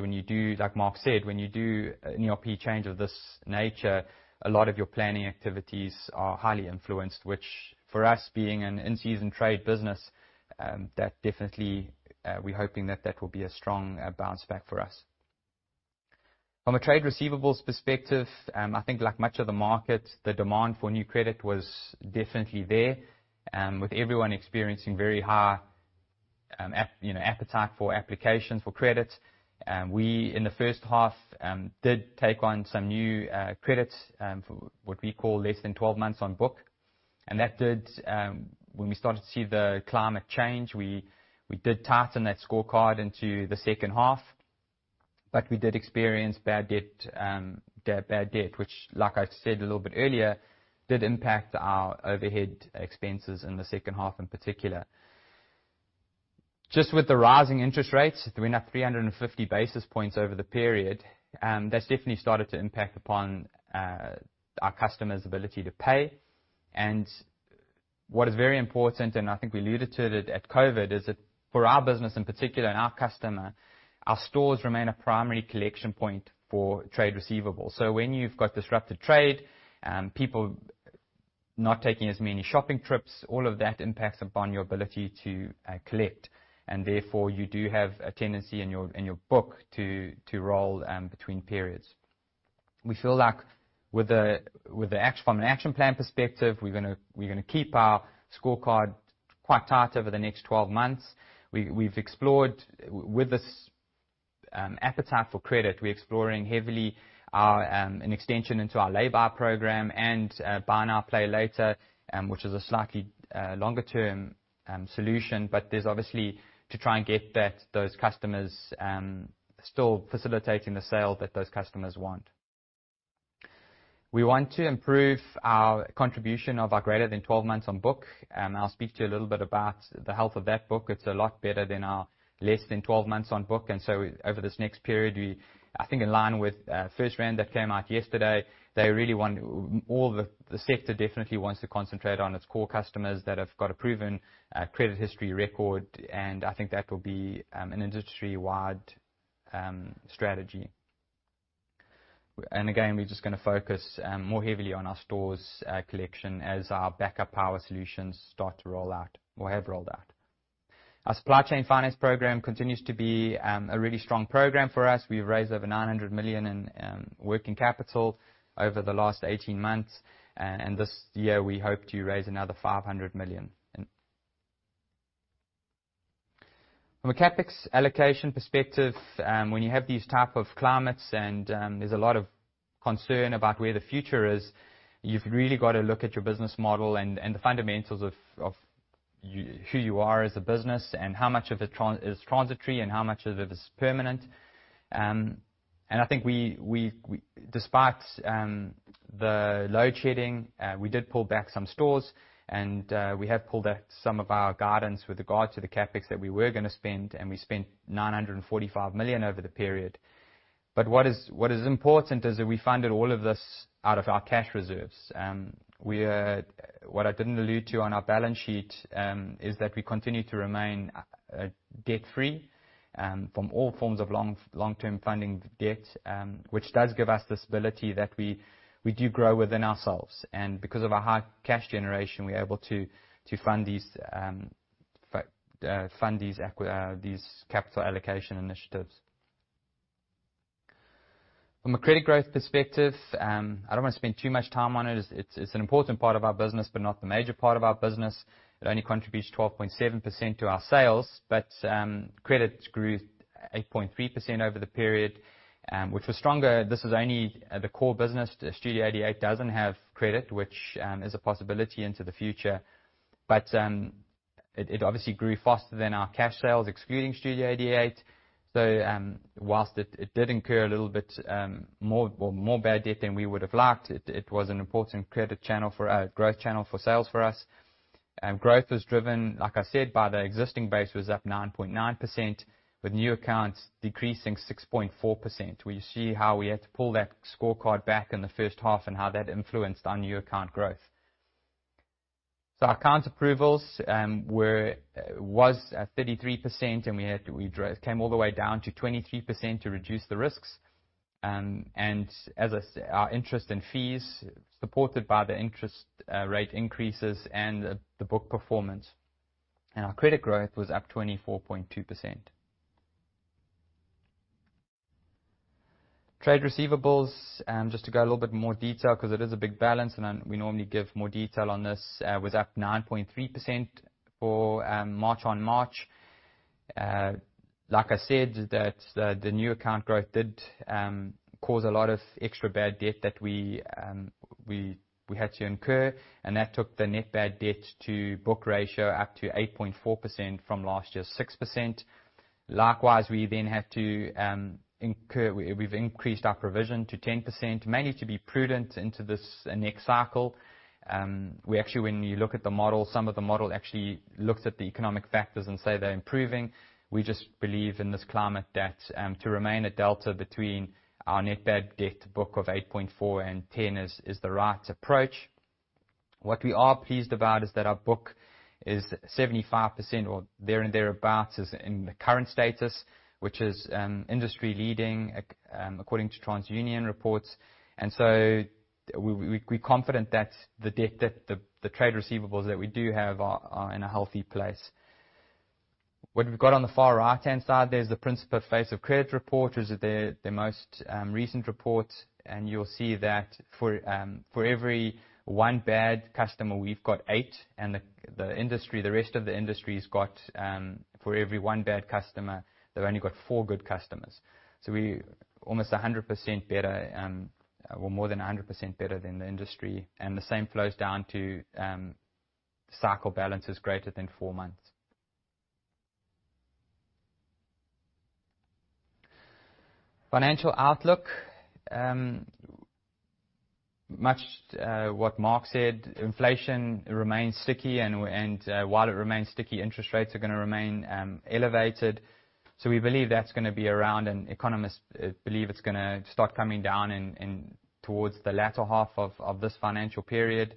like Mark said, when you do an ERP change of this nature, a lot of your planning activities are highly influenced, which for us, being an in-season trade business, definitely, we're hoping that that will be a strong bounce back for us. From a trade receivables perspective, I think like much of the market, the demand for new credit was definitely there, with everyone experiencing very high appetite for applications for credit. We, in the first half, did take on some new credits, for what we call less than 12 months on book. When we started to see the climate change, we did tighten that scorecard into the second half, but we did experience bad debt, which like I said a little bit earlier, did impact our overhead expenses in the second half in particular. Just with the rising interest rates, they went up 350 basis points over the period. That's definitely started to impact upon our customers' ability to pay. What is very important, and I think we alluded to it at COVID-19, is that for our business in particular and our customer, our stores remain a primary collection point for trade receivables. When you've got disrupted trade, people not taking as many shopping trips, all of that impacts upon your ability to collect, and therefore you do have a tendency in your book to roll between periods. We feel like from an action plan perspective, we're going to keep our scorecard quite tight over the next 12 months. With this appetite for credit, we're exploring heavily an extension into our lay-by program and Buy Now, Pay Later, which is a slightly longer-term solution, but there's obviously to try and get those customers still facilitating the sale that those customers want. We want to improve our contribution of our greater than 12 months on book. I'll speak to you a little bit about the health of that book. It's a lot better than our less than 12 months on book. Over this next period, I think in line with FirstRand that came out yesterday, all the sector definitely wants to concentrate on its core customers that have got a proven credit history record, I think that will be an industry-wide strategy. Again, we're just going to focus more heavily on our stores collection as our backup power solutions start to roll out or have rolled out. Our supply chain finance program continues to be a really strong program for us. We've raised over 900 million in working capital over the last 18 months, and this year we hope to raise another 500 million. From a CapEx allocation perspective, when you have these type of climates and there's a lot of concern about where the future is, you've really got to look at your business model and the fundamentals of who you are as a business and how much of it is transitory and how much of it is permanent. I think despite the load shedding, we did pull back some stores, and we have pulled some of our guidance with regard to the CapEx that we were going to spend, and we spent 945 million over the period. What is important is that we funded all of this out of our cash reserves. What I didn't allude to on our balance sheet, is that we continue to remain debt-free from all forms of long-term funding debt, which does give us this ability that we do grow within ourselves. Because of our high cash generation, we're able to fund these capital allocation initiatives. From a credit growth perspective, I don't want to spend too much time on it. It's an important part of our business, but not the major part of our business. It only contributes 12.7% to our sales, credit grew 8.3% over the period, which was stronger. This is only the core business. Studio 88 doesn't have credit, which is a possibility into the future. It obviously grew faster than our cash sales, excluding Studio 88. Whilst it did incur a little bit more bad debt than we would have liked, it was an important growth channel for sales for us. Growth was driven, like I said, by the existing base was up 9.9%, with new accounts decreasing 6.4%. We see how we had to pull that scorecard back in the first half and how that influenced our new account growth. Our accounts approvals was at 33%, and we came all the way down to 23% to reduce the risks. Our interest and fees supported by the interest rate increases and the book performance. Our credit growth was up 24.2%. Trade receivables, just to go a little bit more detail because it is a big balance and we normally give more detail on this, was up 9.3% for March on March. Like I said, the new account growth did cause a lot of extra bad debt that we had to incur, and that took the net bad debt to book ratio up to 8.4% from last year's 6%. Likewise, we've increased our provision to 10%, mainly to be prudent into this next cycle. When you look at the model, some of the model actually looks at the economic factors and say they're improving. We just believe in this climate that to remain a delta between our net bad debt book of 8.4% and 10% is the right approach. What we are pleased about is that our book is 75% or there and thereabouts is in the current status, which is industry leading, according to TransUnion reports. We're confident that the trade receivables that we do have are in a healthy place. What we've got on the far right-hand side, there's the Principa Face of Credit report, which is their most recent report, and you'll see that for every one bad customer, we've got eight and the rest of the industry for every one bad customer, they've only got four good customers. We're almost 100% better, or more than 100% better than the industry, and the same flows down to cycle balances greater than four months. Financial outlook. Much what Mark said, inflation remains sticky, and while it remains sticky, interest rates are going to remain elevated. We believe that's going to be around, and economists believe it's going to start coming down in towards the latter half of this financial period.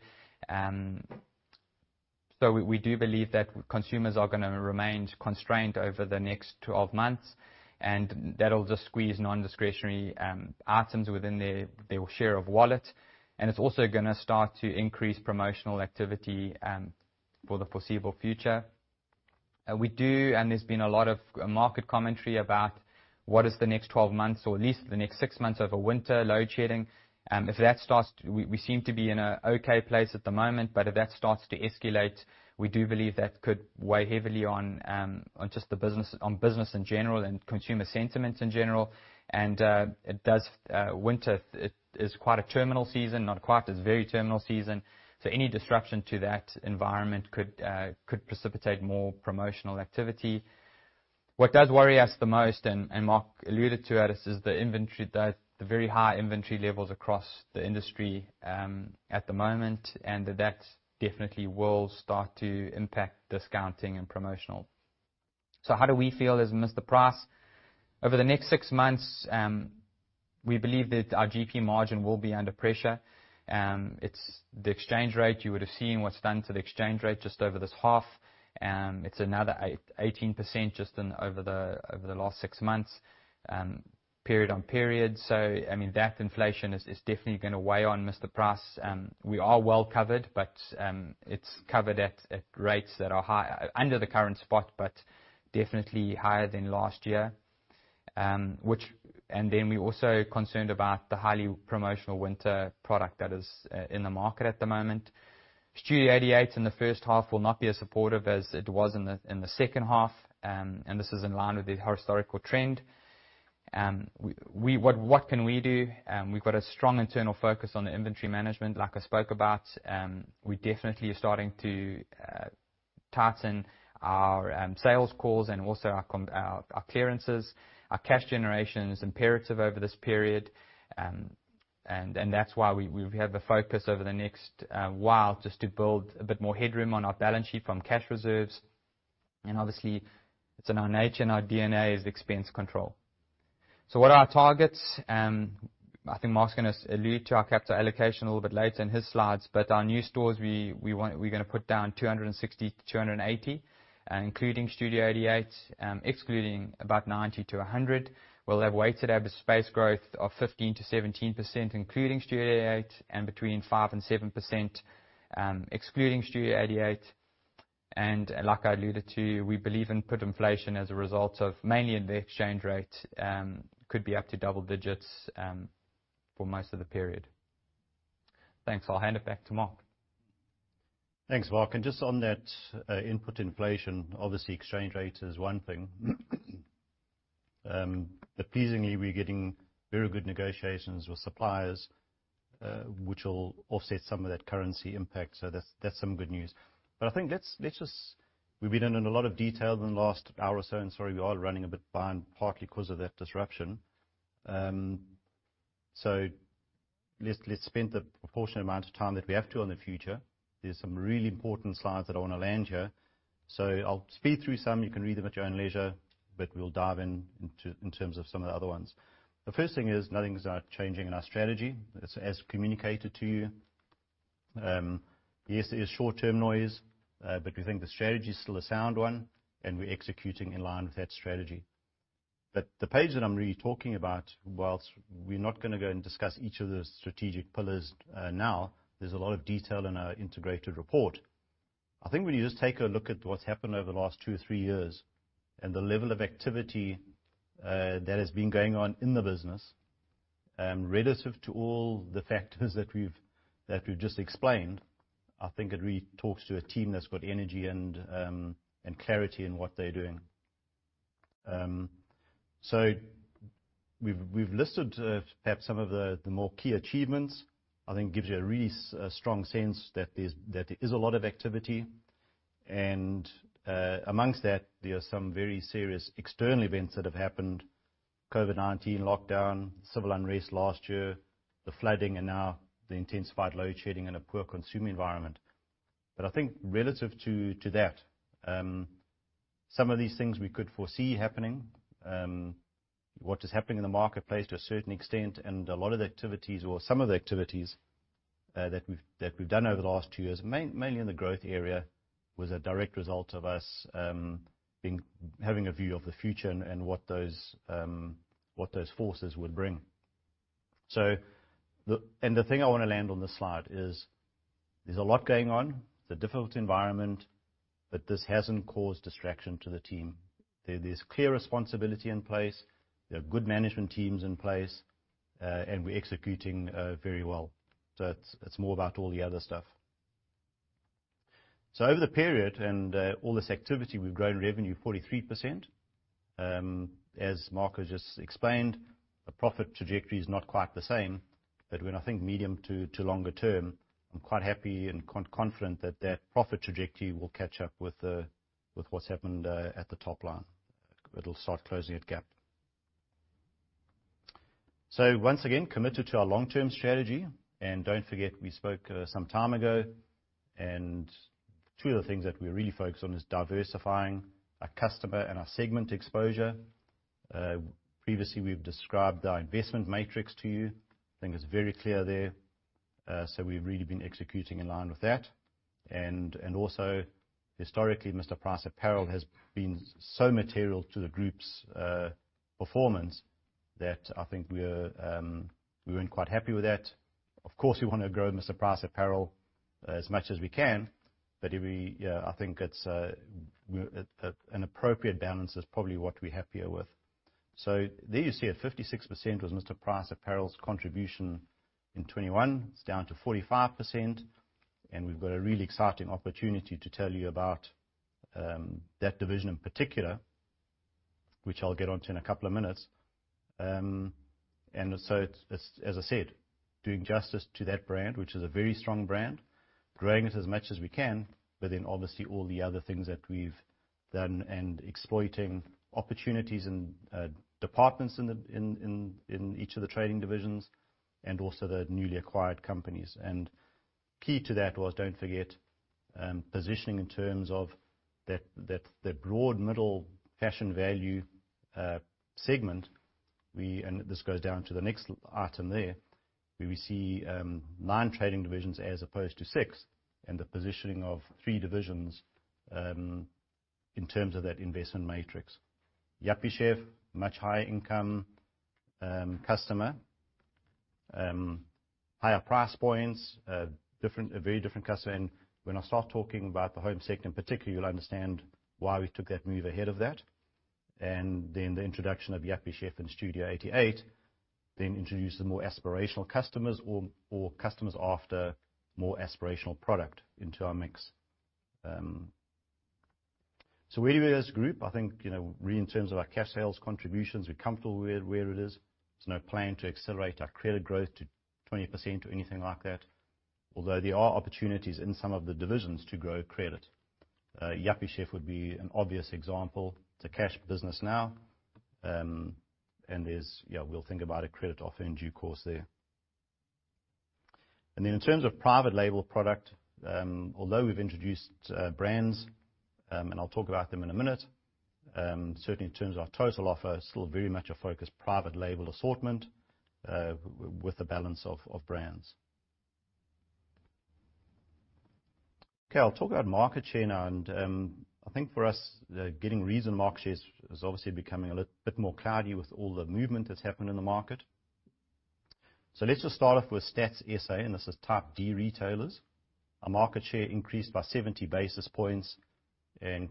We do believe that consumers are going to remain constrained over the next 12 months, and that'll just squeeze non-discretionary items within their share of wallet. It's also going to start to increase promotional activity for the foreseeable future. We do, and there's been a lot of market commentary about what is the next 12 months or at least the next six months over winter load shedding. We seem to be in an okay place at the moment, but if that starts to escalate, we do believe that could weigh heavily on business in general and consumer sentiments in general. Winter is quite a terminal season, not quite, it's very terminal season. Any disruption to that environment could precipitate more promotional activity. What does worry us the most, and Mark alluded to it, is the very high inventory levels across the industry at the moment, and that definitely will start to impact discounting and promotional. How do we feel as Mr Price? Over the next six months, we believe that our GP margin will be under pressure. It's the exchange rate. You would've seen what's done to the exchange rate just over this half. It's another 18% just over the last six months, period on period. That inflation is definitely going to weigh on Mr Price. We are well covered, but it's covered at rates under the current spot, but definitely higher than last year. We're also concerned about the highly promotional winter product that is in the market at the moment. Studio 88 in the first half will not be as supportive as it was in the second half, this is in line with the historical trend. What can we do? We've got a strong internal focus on the inventory management, like I spoke about. We definitely are starting to tighten our sales calls and also our clearances. Our cash generation is imperative over this period, and that's why we have the focus over the next while just to build a bit more headroom on our balance sheet from cash reserves. Obviously, it's in our nature and our DNA is expense control. What are our targets? I think Mark's going to allude to our capital allocation a little bit later in his slides, but our new stores, we're going to put down 260-280, including Studio 88, excluding about 90-100. We'll have weighted average space growth of 15%-17%, including Studio 88, and between 5% and 7% excluding Studio 88. Like I alluded to, we believe input inflation as a result of mainly the exchange rate could be up to double digits for most of the period. Thanks. I'll hand it back to Mark. Thanks, Mark. Just on that input inflation, obviously exchange rate is one thing. Pleasingly, we're getting very good negotiations with suppliers, which will offset some of that currency impact. That's some good news. I think we've been in a lot of detail in the last hour or so. Sorry, we are running a bit behind, partly because of that disruption. Let's spend the proportionate amount of time that we have to on the future. There's some really important slides that I want to land here. I'll speed through some. You can read them at your own leisure, but we'll dive in terms of some of the other ones. The first thing is nothing's changing in our strategy as communicated to you. Yes, there is short-term noise. We think the strategy is still a sound one, and we're executing in line with that strategy. The page that I'm really talking about, whilst we're not going to go and discuss each of the strategic pillars now. There's a lot of detail in our integrated report. I think when you just take a look at what's happened over the last two or three years and the level of activity that has been going on in the business, relative to all the factors that we've just explained, I think it really talks to a team that's got energy and clarity in what they're doing. We've listed perhaps some of the more key achievements. I think it gives you a really strong sense that there is a lot of activity and, amongst that, there are some very serious external events that have happened: COVID-19 lockdown, civil unrest last year, the flooding, and now the intensified load shedding and a poor consumer environment. I think relative to that, some of these things we could foresee happening, what is happening in the marketplace to a certain extent, and a lot of the activities or some of the activities that we've done over the last two years, mainly in the growth area, was a direct result of us having a view of the future and what those forces would bring. The thing I want to land on this slide is there's a lot going on, it's a difficult environment, but this hasn't caused distraction to the team. There is clear responsibility in place. We're executing very well. It's more about all the other stuff. Over the period and all this activity, we've grown revenue 43%. As Mark has just explained, the profit trajectory is not quite the same, but when I think medium to longer term, I'm quite happy and quite confident that that profit trajectory will catch up with what's happened at the top line. It'll start closing that gap. Once again, committed to our long-term strategy. Don't forget, we spoke some time ago, and two of the things that we're really focused on is diversifying our customer and our segment exposure. Previously, we've described our investment matrix to you. I think it's very clear there. We've really been executing in line with that. Also historically, Mr Price Apparel has been so material to the group's performance that I think we weren't quite happy with that. Of course, we want to grow Mr Price Apparel as much as we can, but I think an appropriate balance is probably what we're happier with. There you see it, 56% was Mr Price Apparel's contribution in 2021. It's down to 45%, and we've got a really exciting opportunity to tell you about that division in particular, which I'll get onto in a couple of minutes. As I said, doing justice to that brand, which is a very strong brand, growing it as much as we can, obviously all the other things that we've done and exploiting opportunities in departments in each of the trading divisions and also the newly acquired companies. Key to that was, don't forget, positioning in terms of that broad middle fashion value segment. This goes down to the next item there, where we see nine trading divisions as opposed to six, and the positioning of three divisions in terms of that investment matrix. Yuppiechef, much higher income customer, higher price points, a very different customer. When I start talking about the home segment in particular, you'll understand why we took that move ahead of that. Then the introduction of Yuppiechef and Studio 88, then introduce the more aspirational customers or customers after more aspirational product into our mix. Where are we as a group? I think, really in terms of our cash sales contributions, we're comfortable with where it is. There's no plan to accelerate our credit growth to 20% or anything like that, although there are opportunities in some of the divisions to grow credit. Yuppiechef would be an obvious example. It's a cash business now, and we'll think about a credit offer in due course there. In terms of private label product, although we've introduced brands, and I'll talk about them in a minute, certainly in terms of our total offer, still very much a focused private label assortment with a balance of brands. Okay, I'll talk about market share now, I think for us, getting reasonable market share is obviously becoming a bit more cloudy with all the movement that's happened in the market. Let's just start off with Stats SA, and this is type D retailers. Our market share increased by 70 basis points.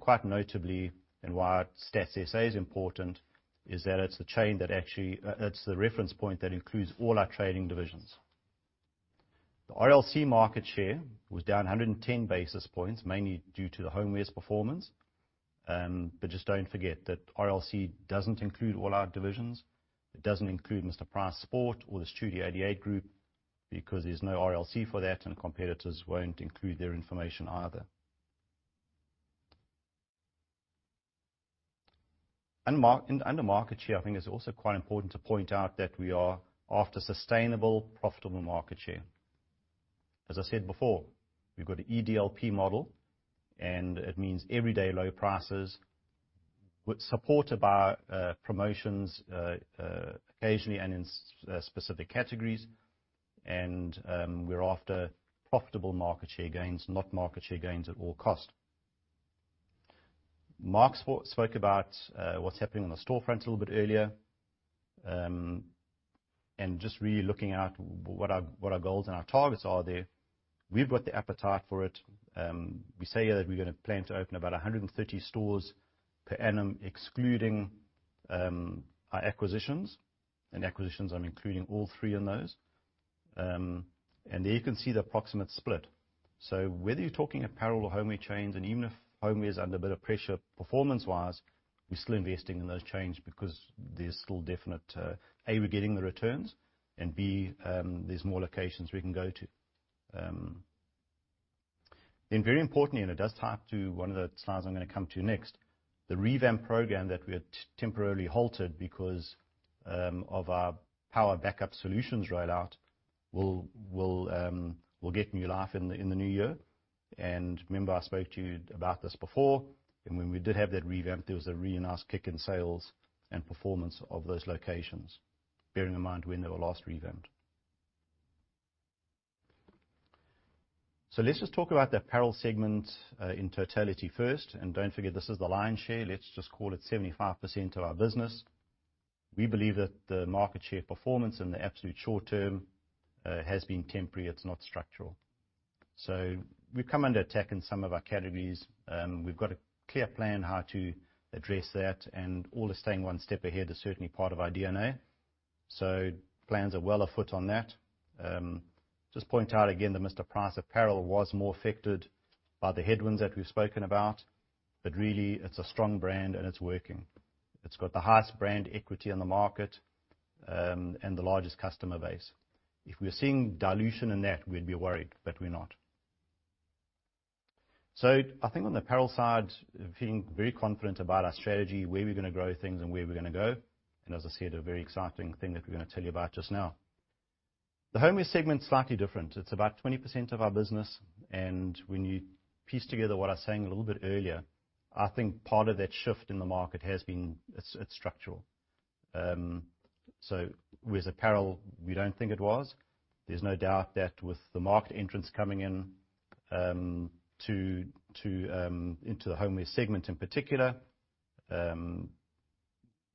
Quite notably, and why Stats SA is important, is that it's the reference point that includes all our trading divisions. The RLC market share was down 110 basis points, mainly due to the homewares performance. Just don't forget that RLC doesn't include all our divisions. It doesn't include Mr Price Sport or the Studio 88 group because there's no RLC for that, and competitors won't include their information either. Under market share, I think it's also quite important to point out that we are after sustainable, profitable market share. As I said before, we've got an EDLP model, and it means everyday low prices with support of our promotions occasionally and in specific categories. We're after profitable market share gains, not market share gains at all cost. Mark spoke about what's happening on the storefront a little bit earlier. Just really looking at what our goals and our targets are there. We've got the appetite for it. We say here that we're going to plan to open about 130 stores per annum, excluding our acquisitions. In acquisitions, I'm including all three in those. There you can see the approximate split. Whether you're talking apparel or homeware chains, and even if homeware is under a bit of pressure performance wise, we're still investing in those chains because there's still definite, A, we're getting the returns, and B, there's more locations we can go to. Very importantly, it does tie up to one of the slides I'm going to come to next, the revamp program that we had temporarily halted because of our power backup solutions rollout will get new life in the new year. Remember, I spoke to you about this before, and when we did have that revamp, there was a really nice kick in sales and performance of those locations, bearing in mind when they were last revamped. Let's just talk about the apparel segment in totality first. Don't forget, this is the lion's share. Let's just call it 75% of our business. We believe that the market share performance in the absolute short term has been temporary. It's not structural. We've come under attack in some of our categories. We've got a clear plan how to address that. Always staying one step ahead is certainly part of our DNA. Plans are well afoot on that. Just point out again that Mr Price Apparel was more affected by the headwinds that we've spoken about. Really, it's a strong brand and it's working. It's got the highest brand equity on the market, and the largest customer base. If we were seeing dilution in that, we'd be worried, but we're not. I think on the apparel side, feeling very confident about our strategy, where we're going to grow things and where we're going to go. As I said, a very exciting thing that we're going to tell you about just now. The homeware segment's slightly different. It's about 20% of our business. When you piece together what I was saying a little bit earlier, I think part of that shift in the market has been structural. With apparel, we don't think it was. There's no doubt that with the market entrants coming into the homeware segment in particular, all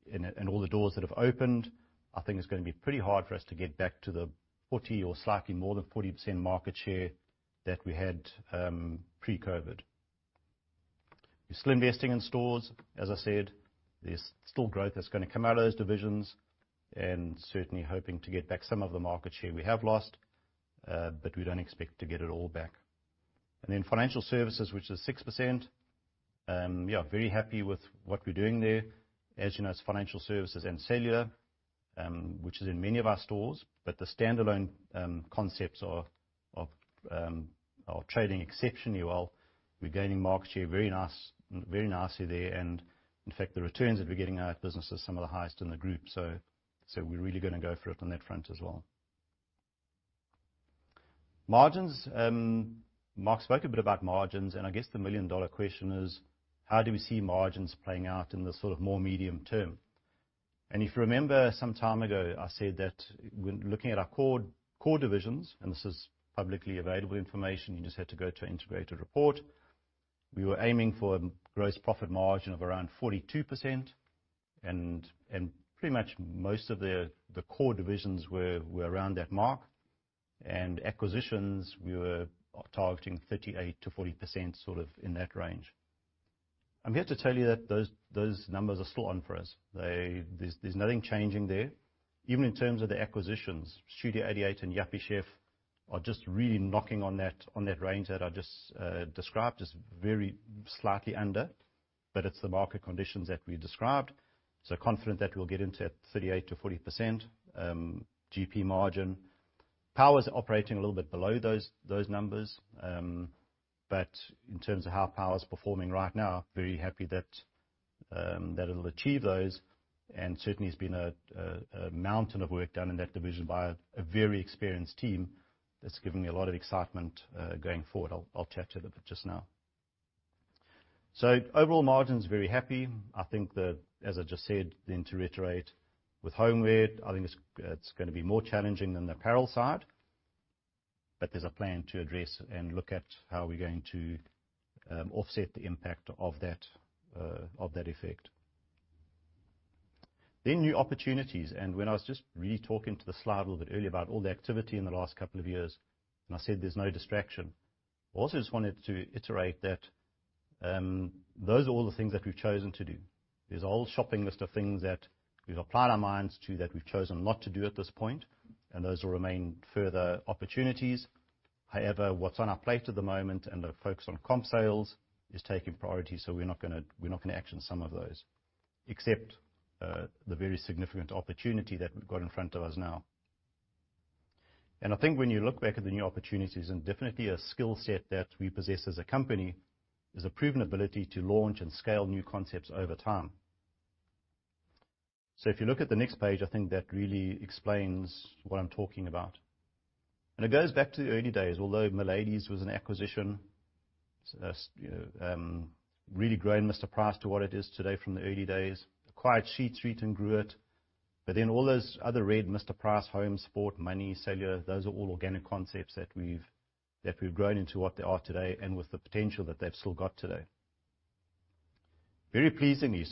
the doors that have opened, I think it's going to be pretty hard for us to get back to the 40 or slightly more than 40% market share that we had pre-COVID. We're still investing in stores, as I said. There's still growth that's going to come out of those divisions, and certainly hoping to get back some of the market share we have lost, but we don't expect to get it all back. Then financial services, which is 6%. Yeah, very happy with what we're doing there. As you know, it's financial services and cellular, which is in many of our stores, but the standalone concepts are trading exceptionally well. We're gaining market share very nicely there and, in fact, the returns that we're getting out of business are some of the highest in the group. We're really going to go for it on that front as well. Margins. Mark spoke a bit about margins, and I guess the million-dollar question is, how do we see margins playing out in the more medium term? If you remember some time ago, I said that when looking at our core divisions, and this is publicly available information, you just have to go to integrated report, we were aiming for a gross profit margin of around 42%, and pretty much most of the core divisions were around that mark. Acquisitions, we were targeting 38%-40%, sort of in that range. I'm here to tell you that those numbers are still on for us. There's nothing changing there. Even in terms of the acquisitions, Studio 88 and Yuppiechef are just really knocking on that range that I just described. Just very slightly under, but it's the market conditions that we described. Confident that we'll get into that 38%-40% GP margin. Power's operating a little bit below those numbers. In terms of how Power's performing right now, very happy that it'll achieve those, and certainly has been a mountain of work done in that division by a very experienced team that's given me a lot of excitement going forward. I'll chat a little bit just now. Overall margins, very happy. I think that, as I just said, then to reiterate, with homeware, I think it's going to be more challenging than the apparel side, but there's a plan to address and look at how we're going to offset the impact of that effect. New opportunities, when I was just really talking to the slide a little bit earlier about all the activity in the last couple of years, I said there's no distraction. Also just wanted to iterate that those are all the things that we've chosen to do. There's a whole shopping list of things that we've applied our minds to that we've chosen not to do at this point, and those will remain further opportunities. What's on our plate at the moment and the focus on comp sales is taking priority, we're not going to action some of those, except the very significant opportunity that we've got in front of us now. I think when you look back at the new opportunities and definitely a skill set that we possess as a company, is a proven ability to launch and scale new concepts over time. If you look at the next page, I think that really explains what I'm talking about. It goes back to the early days. Although Miladys was an acquisition, really grown Mr Price to what it is today from the early days. Acquired Sheet Street and grew it. All those other red Mr Price, Mr Price Home, Mr Price Sport, Mr Price Money, Cellular, those are all organic concepts that we've grown into what they are today and with the potential that they've still got today. Very pleasingly,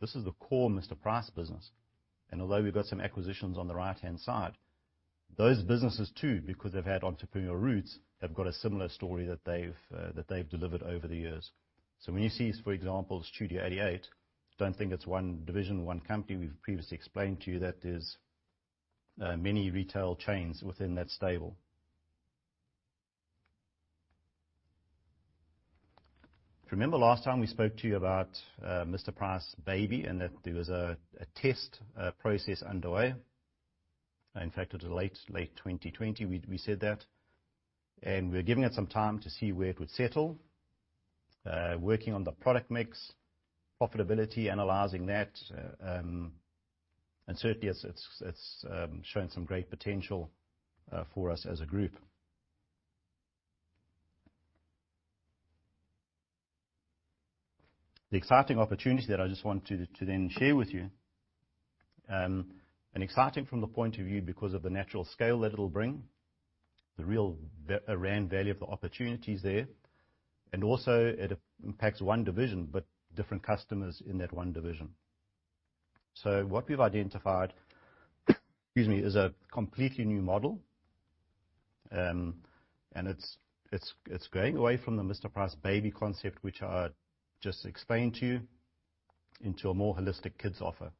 this is the core Mr Price business. Although we've got some acquisitions on the right-hand side, those businesses too, because they've had entrepreneurial roots, have got a similar story that they've delivered over the years. When you see, for example, Studio 88, don't think it's one division, one company. We've previously explained to you that there's many retail chains within that stable. If you remember last time we spoke to you about Mr Price Baby, and that there was a test process underway. In fact, it was late 2020, we said that, and we were giving it some time to see where it would settle. Working on the product mix, profitability, analyzing that, and certainly, it's shown some great potential for us as a group. The exciting opportunity that I just want to then share with you, and exciting from the point of view because of the natural scale that it'll bring, the real rand value of the opportunities there. Also, it impacts one division, but different customers in that one division. What we've identified excuse me, is a completely new model, and it's going away from the Mr Price Baby concept, which I just explained to you, into a more holistic kids offer.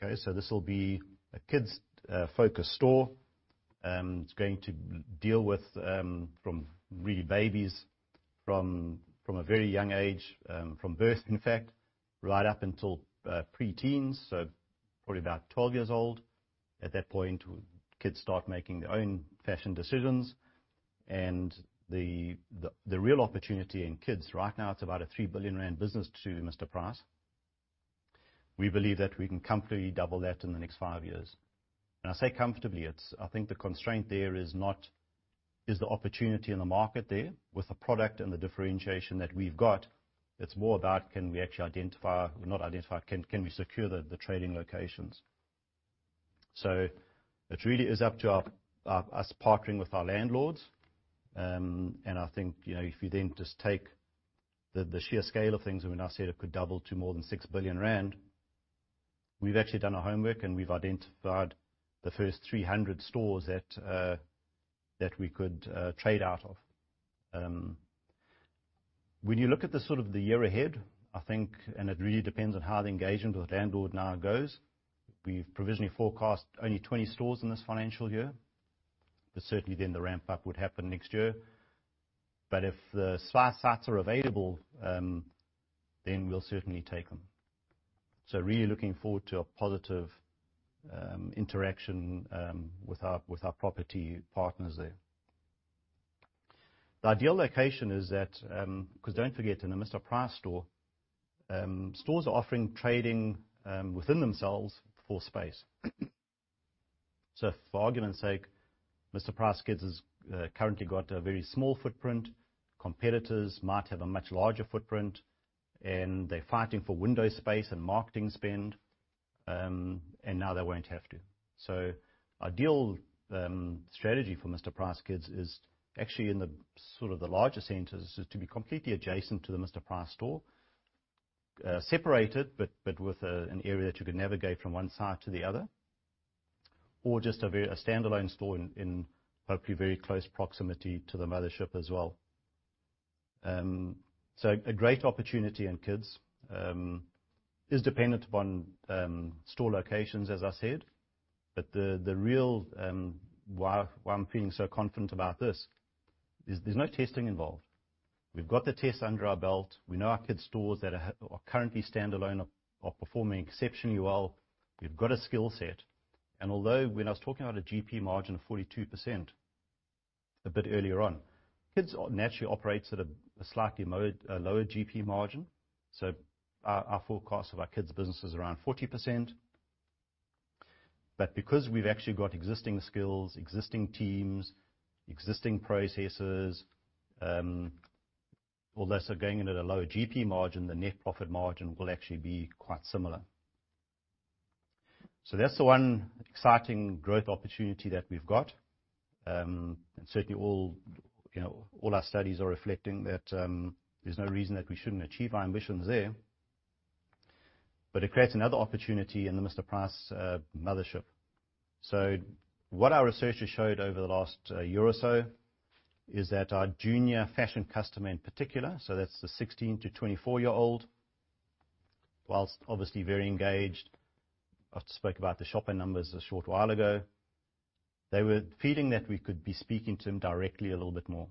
This will be a kids focused store. It's going to deal with from really babies from a very young age, from birth, in fact, right up until pre-teens, so probably about 12 years old. At that point, kids start making their own fashion decisions. The real opportunity in kids right now, it's about a 3 billion rand business to Mr Price. We believe that we can comfortably double that in the next five years. When I say comfortably, I think the constraint there is the opportunity in the market there with the product and the differentiation that we've got. It's more about can we secure the trading locations? It really is up to us partnering with our landlords. I think if you then just take the sheer scale of things, when I said it could double to more than 6 billion rand, we've actually done our homework, and we've identified the first 300 stores that we could trade out of. When you look at the year ahead, I think, and it really depends on how the engagement with the landlord now goes, we've provisionally forecast only 20 stores in this financial year. Certainly then the ramp-up would happen next year. If the site slots are available, then we'll certainly take them. Really looking forward to a positive interaction with our property partners there. The ideal location is that, because don't forget, in a Mr Price store, stores are offering trading within themselves for space. For argument's sake, Mr Price Kids has currently got a very small footprint. Competitors might have a much larger footprint, and they're fighting for window space and marketing spend, and now they won't have to. Ideal strategy for Mr Price Kids is actually in the larger centers, is to be completely adjacent to the Mr Price store, separated, but with an area that you can navigate from one site to the other, or just a standalone store in hopefully very close proximity to the mothership as well. A great opportunity in Kids. It is dependent upon store locations, as I said. The real why I'm feeling so confident about this is there's no testing involved. We've got the test under our belt. We know our kids' stores that are currently standalone are performing exceptionally well. We've got a skill set, and although when I was talking about a GP margin of 42% a bit earlier on, Kids naturally operates at a slightly lower GP margin. Our forecast of our Kids business is around 40%. Because we've actually got existing skills, existing teams, existing processes, although they're going in at a lower GP margin, the net profit margin will actually be quite similar. That's the one exciting growth opportunity that we've got. Certainly all our studies are reflecting that there's no reason that we shouldn't achieve our ambitions there. It creates another opportunity in the Mr Price mothership. What our researchers showed over the last year or so is that our junior fashion customer in particular, that's the 16 to 24-year-old, whilst obviously very engaged, I've spoke about the shopper numbers a short while ago. They were feeling that we could be speaking to them directly a little bit more.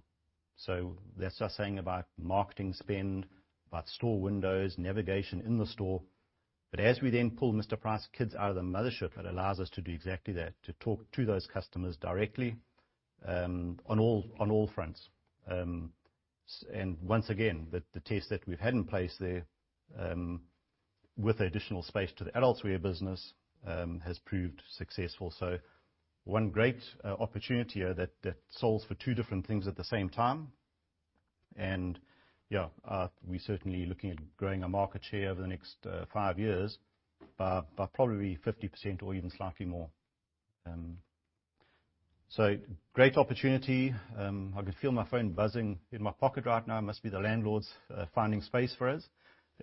That's us saying about marketing spend, about store windows, navigation in the store. As we then pull Mr Price Kids out of the mothership, it allows us to do exactly that, to talk to those customers directly on all fronts. Once again, the test that we've had in place there, with the additional space to the adults' wear business, has proved successful. One great opportunity there that solves for two different things at the same time. Yeah, we're certainly looking at growing our market share over the next five years by probably 50% or even slightly more. Great opportunity. I can feel my phone buzzing in my pocket right now. Must be the landlords finding space for us.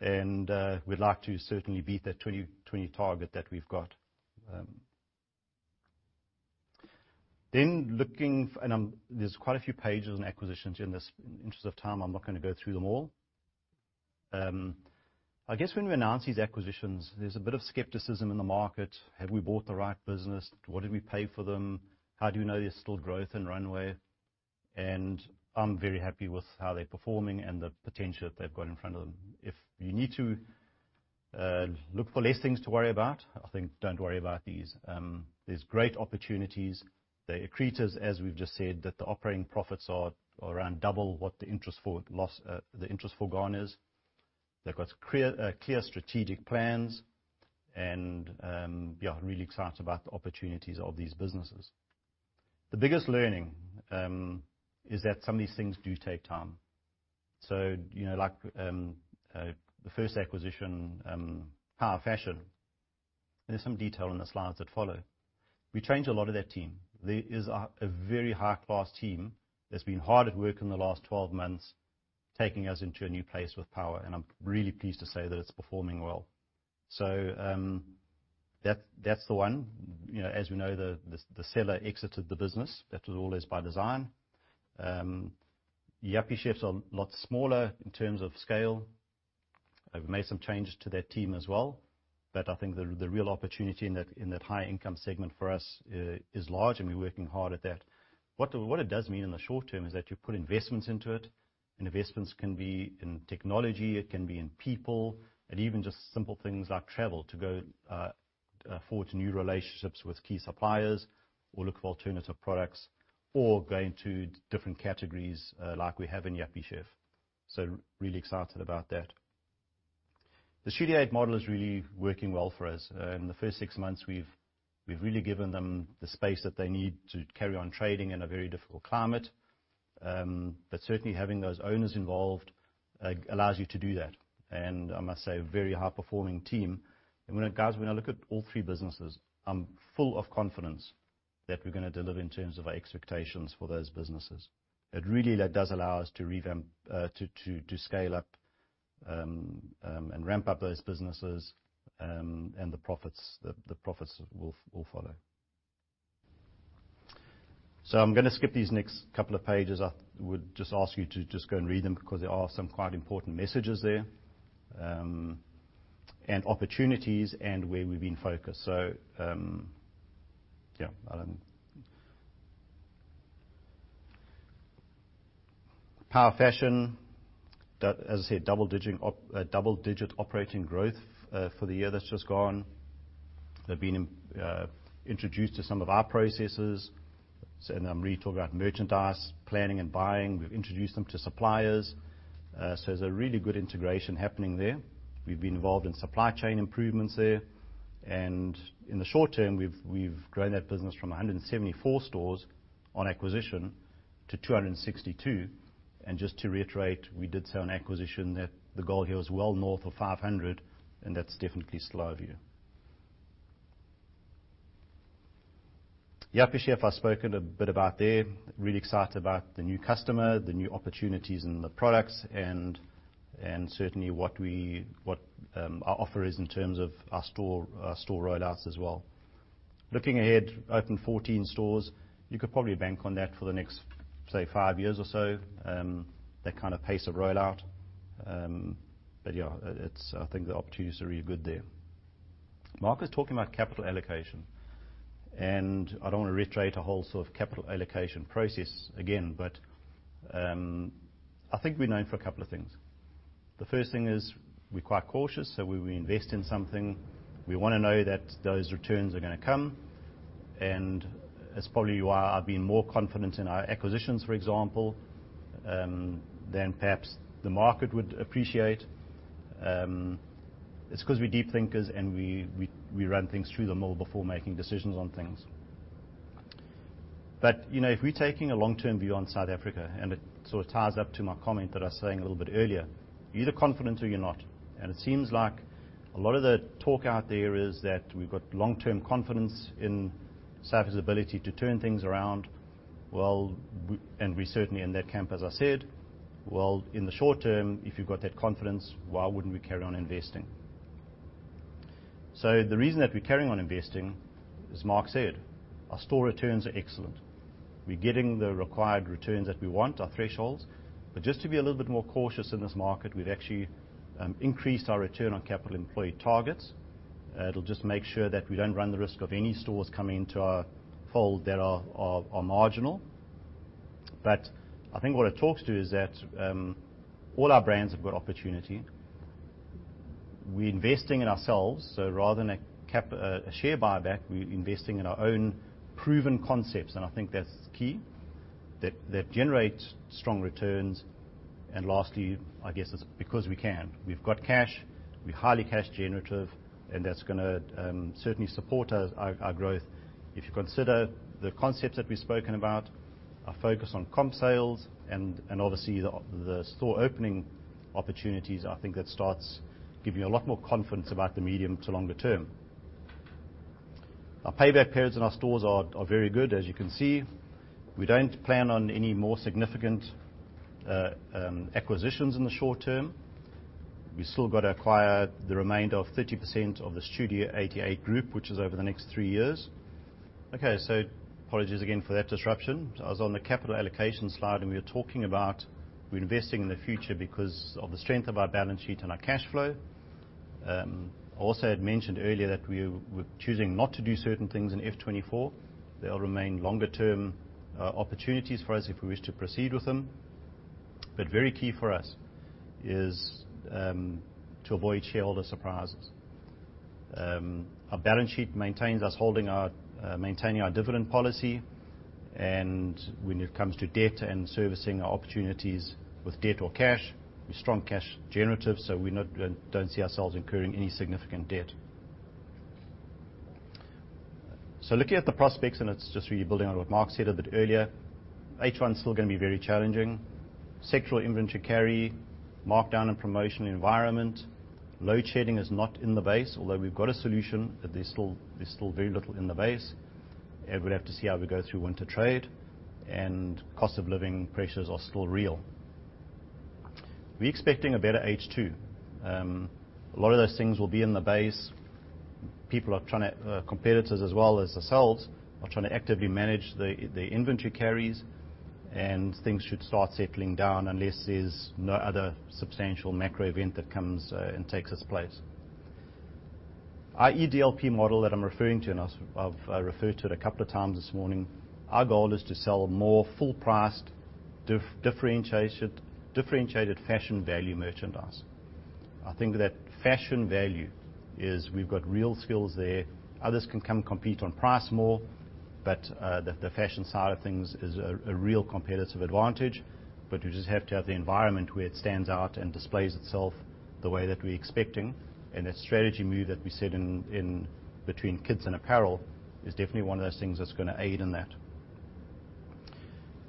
We'd like to certainly beat that 2020 target that we've got. Looking there's quite a few pages on acquisitions in this. In the interest of time, I'm not going to go through them all. I guess when we announce these acquisitions, there's a bit of skepticism in the market. Have we bought the right business? What did we pay for them? How do you know there's still growth and runway? I'm very happy with how they're performing and the potential that they've got in front of them. If you need to look for less things to worry about, I think don't worry about these. There's great opportunities. They accrete us, as we've just said, that the operating profits are around double what the interest forgone is. They've got clear strategic plans. Really excited about the opportunities of these businesses. The biggest learning is that some of these things do take time. Like the first acquisition, Power Fashion, there's some detail in the slides that follow. We changed a lot of that team. There is a very high-class team that's been hard at work in the last 12 months, taking us into a new place with Power. I'm really pleased to say that it's performing well. That's the one. We know, the seller exited the business. That was always by design. Yuppiechef's a lot smaller in terms of scale. I've made some changes to that team as well. I think the real opportunity in that high-income segment for us is large. We're working hard at that. What it does mean in the short term is that you put investments into it. Investments can be in technology, it can be in people, even just simple things like travel to go forge new relationships with key suppliers or look for alternative products or go into different categories like we have in Yuppiechef. Really excited about that. The Studio 88 model is really working well for us. In the first six months, we've really given them the space that they need to carry on trading in a very difficult climate. Certainly having those owners involved allows you to do that. I must say, a very high-performing team. Guys, when I look at all three businesses, I'm full of confidence that we're going to deliver in terms of our expectations for those businesses. It really does allow us to revamp, to scale up and ramp up those businesses. The profits will follow. I'm going to skip these next couple of pages. I would just ask you to just go and read them. There are some quite important messages there, opportunities, where we've been focused. Yeah. Power Fashion, as I said, double-digit operating growth for the year that's just gone. They've been introduced to some of our processes. Now [Marie] talk about merchandise planning and buying. We've introduced them to suppliers. There's a really good integration happening there. We've been involved in supply chain improvements there. In the short term, we've grown that business from 174 stores on acquisition to 262. Just to reiterate, we did say on acquisition that the goal here was well north of 500. That's definitely still our view. Mr Price, I've spoken a bit about there. Really excited about the new customer, the new opportunities, the products, certainly what our offer is in terms of our store rollouts as well. Looking ahead, open 14 stores. You could probably bank on that for the next, say, five years or so, that kind of pace of rollout. Yeah, I think the opportunities are really good there. Mark is talking about capital allocation. I don't want to reiterate a whole sort of capital allocation process again, I think we're known for a couple of things. The first thing is we're quite cautious. When we invest in something, we want to know that those returns are going to come. That's probably why I've been more confident in our acquisitions, for example, than perhaps the market would appreciate. It's because we're deep thinkers and we run things through the mill before making decisions on things. If we're taking a long-term view on South Africa, it sort of ties up to my comment that I was saying a little bit earlier, you're either confident or you're not. It seems like a lot of the talk out there is that we've got long-term confidence in South Africa's ability to turn things around. We're certainly in that camp, as I said. In the short term, if you've got that confidence, why wouldn't we carry on investing? The reason that we're carrying on investing, as Mark said, our store returns are excellent. We're getting the required returns that we want, our thresholds. Just to be a little bit more cautious in this market, we've actually increased our return on capital employed targets. It'll just make sure that we don't run the risk of any stores coming into our fold that are marginal. I think what it talks to is that all our brands have got opportunity. We're investing in ourselves. Rather than a share buyback, we're investing in our own proven concepts, I think that's key. That generates strong returns. Lastly, I guess it's because we can. We've got cash. We're highly cash generative. That's going to certainly support our growth. If you consider the concepts that we've spoken about, our focus on comp sales and obviously the store opening opportunities, I think that starts giving you a lot more confidence about the medium to longer term. Our payback periods in our stores are very good, as you can see. We don't plan on any more significant acquisitions in the short term. We've still got to acquire the remainder of 30% of the Studio 88 Group, which is over the next 3 years. Apologies again for that disruption. I was on the capital allocation slide, we were talking about we're investing in the future because of the strength of our balance sheet and our cash flow. I had mentioned earlier that we're choosing not to do certain things in FY 2024. They'll remain longer term opportunities for us if we wish to proceed with them. Very key for us is to avoid shareholder surprises. Our balance sheet maintains us maintaining our dividend policy. When it comes to debt and servicing our opportunities with debt or cash, we're strong cash generative, we don't see ourselves incurring any significant debt. Looking at the prospects, it's just really building on what Mark said a bit earlier, H1 is still going to be very challenging. Sectoral inventory carry, markdown and promotion environment. Load shedding is not in the base, although we've got a solution, there's still very little in the base. We'll have to see how we go through winter trade. Cost of living pressures are still real. We're expecting a better H2. A lot of those things will be in the base. Competitors as well as ourselves are trying to actively manage the inventory carries and things should start settling down unless there's no other substantial macro event that comes and takes its place. Our EDLP model that I'm referring to, I've referred to it a couple of times this morning, our goal is to sell more full priced, differentiated fashion value merchandise. I think that fashion value is we've got real skills there. Others can come compete on price more, but the fashion side of things is a real competitive advantage. We just have to have the environment where it stands out and displays itself the way that we're expecting. That strategy move that we said between kids and apparel is definitely one of those things that's going to aid in that.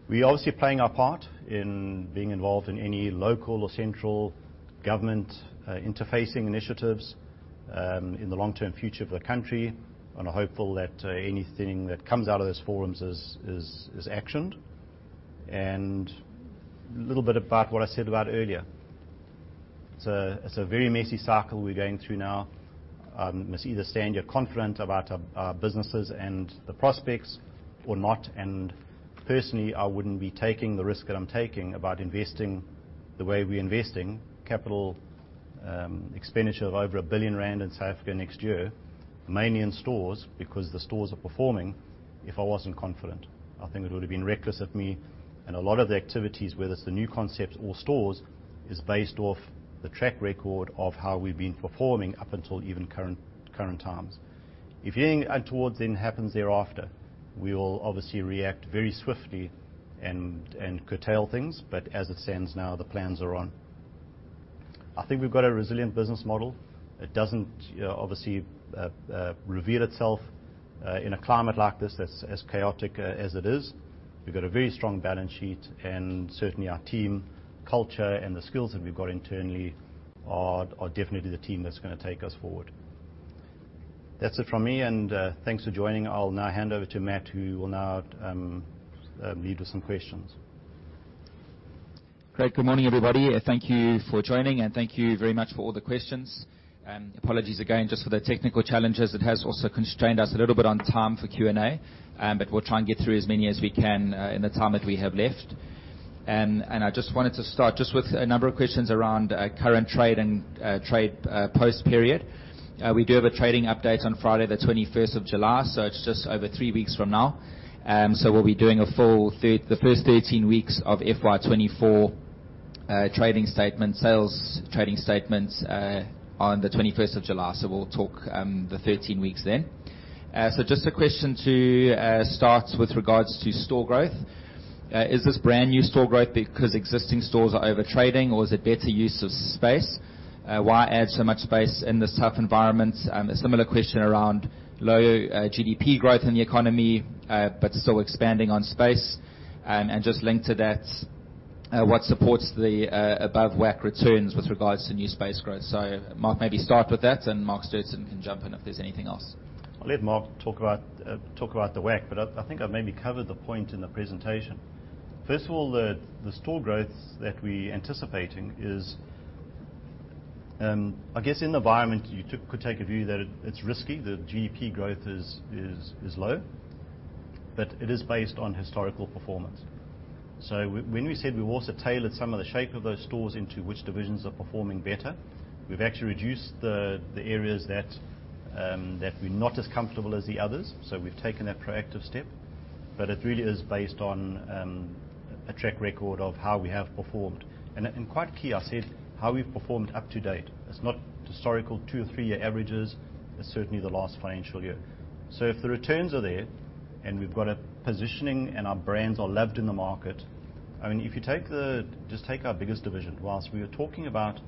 We are obviously playing our part in being involved in any local or central government interfacing initiatives in the long-term future of the country, are hopeful that anything that comes out of those forums is actioned. A little bit about what I said about earlier. It's a very messy cycle we're going through now. You must either stand, you're confident about our businesses and the prospects or not. Personally, I wouldn't be taking the risk that I'm taking about investing the way we're investing capital expenditure of over 1 billion rand in South Africa next year, mainly in stores, because the stores are performing, if I wasn't confident. I think it would have been reckless of me. A lot of the activities, whether it's the new concepts or stores, is based off the track record of how we've been performing up until even current times. If anything untoward then happens thereafter, we will obviously react very swiftly and curtail things. As it stands now, the plans are on. I think we've got a resilient business model. It doesn't obviously reveal itself in a climate like this that's as chaotic as it is. We've got a very strong balance sheet, certainly our team culture and the skills that we've got internally are definitely the team that's going to take us forward. That's it from me, thanks for joining. I'll now hand over to Matt, who will now lead with some questions. Great. Good morning, everybody, thank you for joining, thank you very much for all the questions. Apologies again, just for the technical challenges. It has also constrained us a little bit on time for Q&A. We'll try and get through as many as we can in the time that we have left. I just wanted to start just with a number of questions around current trade and trade post period. We do have a trading update on Friday the 21st of July, so it's just over three weeks from now. We'll be doing a full, the first 13 weeks of FY 2024 trading statement, sales trading statement on the 21st of July. We'll talk the 13 weeks then. Just a question to start with regards to store growth. Is this brand new store growth because existing stores are over trading or is it better use of space? Why add so much space in this tough environment? A similar question around low GDP growth in the economy, but still expanding on space. Just linked to that, what supports the above WACC returns with regards to new space growth? Mark, maybe start with that, and Mark Stirton can jump in if there's anything else. I'll let Mark talk about the WACC, but I think I maybe covered the point in the presentation. First of all, the store growth that we're anticipating is, I guess in the environment, you could take a view that it's risky. The GDP growth is low. It is based on historical performance. When we said we've also tailored some of the shape of those stores into which divisions are performing better, we've actually reduced the areas that we're not as comfortable as the others. We've taken that proactive step. It really is based on a track record of how we have performed. Quite key, I said how we've performed up to date. It's not historical two or three-year averages. It's certainly the last financial year. If the returns are there and we've got a positioning and our brands are loved in the market, if you just take our biggest division, whilst we were talking about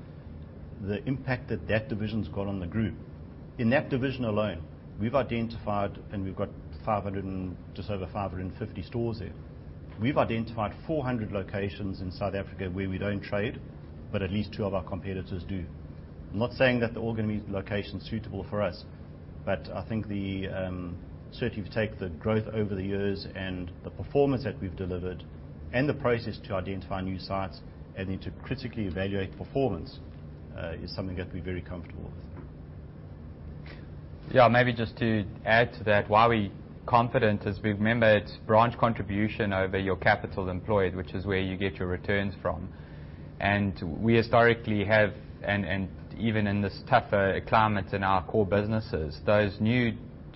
the impact that that division's got on the group, in that division alone, we've identified and we've got just over 550 stores there. We've identified 400 locations in South Africa where we don't trade, but at least two of our competitors do. I'm not saying that they're all going to be locations suitable for us, but I think certainly if you take the growth over the years and the performance that we've delivered and the process to identify new sites and then to critically evaluate performance, is something that we're very comfortable with. Maybe just to add to that, why we're confident is we've remembered branch contribution over your capital employed, which is where you get your returns from. We historically have, and even in this tougher climate in our core businesses, those new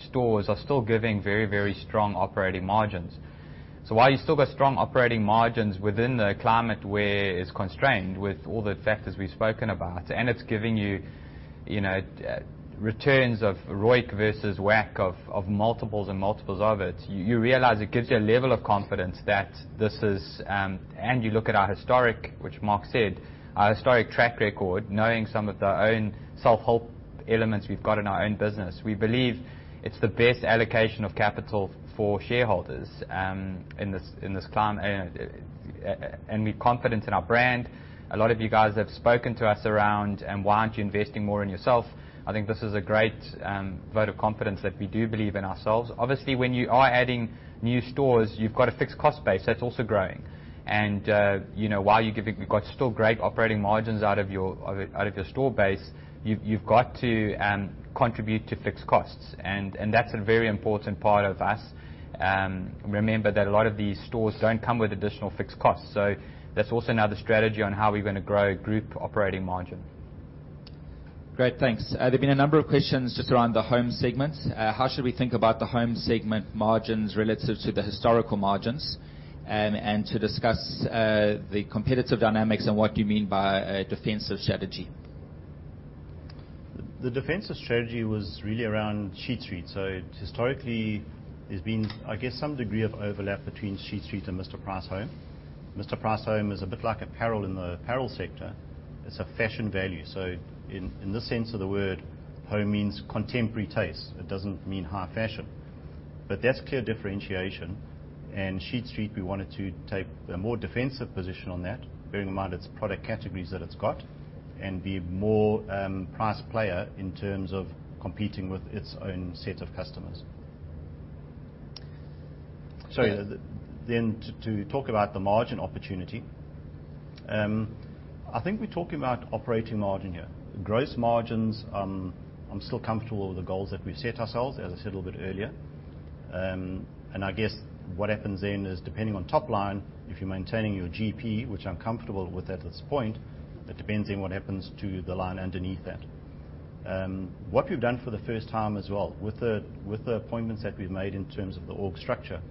stores are still giving very strong operating margins. While you still got strong operating margins within the climate where it's constrained with all the factors we've spoken about, and it's giving you returns of ROIC versus WACC of multiples and multiples of it, you realize it gives you a level of confidence that this is, and you look at our historic, which Mark said, our historic track record, knowing some of the own self-help elements we've got in our own business. We believe it's the best allocation of capital for shareholders in this climate. We're confident in our brand. A lot of you guys have spoken to us around, why aren't you investing more in yourself? I think this is a great vote of confidence that we do believe in ourselves. Obviously, when you are adding new stores, you've got a fixed cost base that's also growing. While you've got still great operating margins out of your store base, you've got to contribute to fixed costs. That's a very important part of us. Remember that a lot of these stores don't come with additional fixed costs. That's also now the strategy on how we're going to grow group operating margin. Great, thanks. There have been a number of questions just around the home segment. How should we think about the home segment margins relative to the historical margins? To discuss the competitive dynamics and what you mean by a defensive strategy. The defensive strategy was really around Sheet Street. Historically, there's been, I guess, some degree of overlap between Sheet Street and Mr Price Home. Mr Price Home is a bit like apparel in the apparel sector. It's a fashion value. In this sense of the word, home means contemporary taste. It doesn't mean high fashion. That's clear differentiation. Sheet Street, we wanted to take a more defensive position on that, bearing in mind its product categories that it's got, and be more price player in terms of competing with its own set of customers. To talk about the margin opportunity, I think we're talking about operating margin here. Gross margins, I'm still comfortable with the goals that we've set ourselves, as I said a little bit earlier. I guess what happens then is depending on top line, if you're maintaining your GP, which I'm comfortable with at this point, it depends on what happens to the line underneath that. What we've done for the first time as well, with the appointments that we've made in terms of the org structure,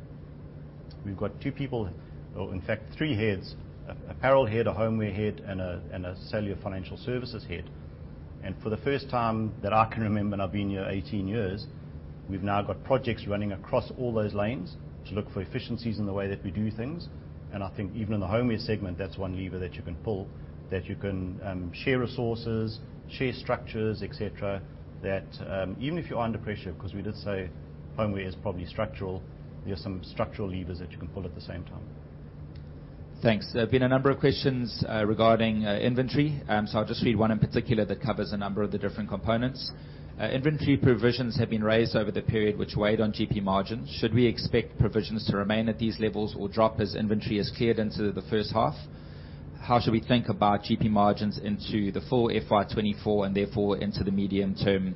we've got two people, or in fact three heads, apparel head, a homeware head, and a cellular financial services head. For the first time that I can remember, I've been here 18 years, we've now got projects running across all those lanes to look for efficiencies in the way that we do things. I think even in the homeware segment, that's one lever that you can pull, that you can share resources, share structures, et cetera, that even if you are under pressure, because we did say homeware is probably structural, there are some structural levers that you can pull at the same time. Thanks. There have been a number of questions regarding inventory. I'll just read one in particular that covers a number of the different components. Inventory provisions have been raised over the period which weighed on GP margins. Should we expect provisions to remain at these levels or drop as inventory is cleared into the first half? How should we think about GP margins into the full FY 2024 and therefore into the medium term,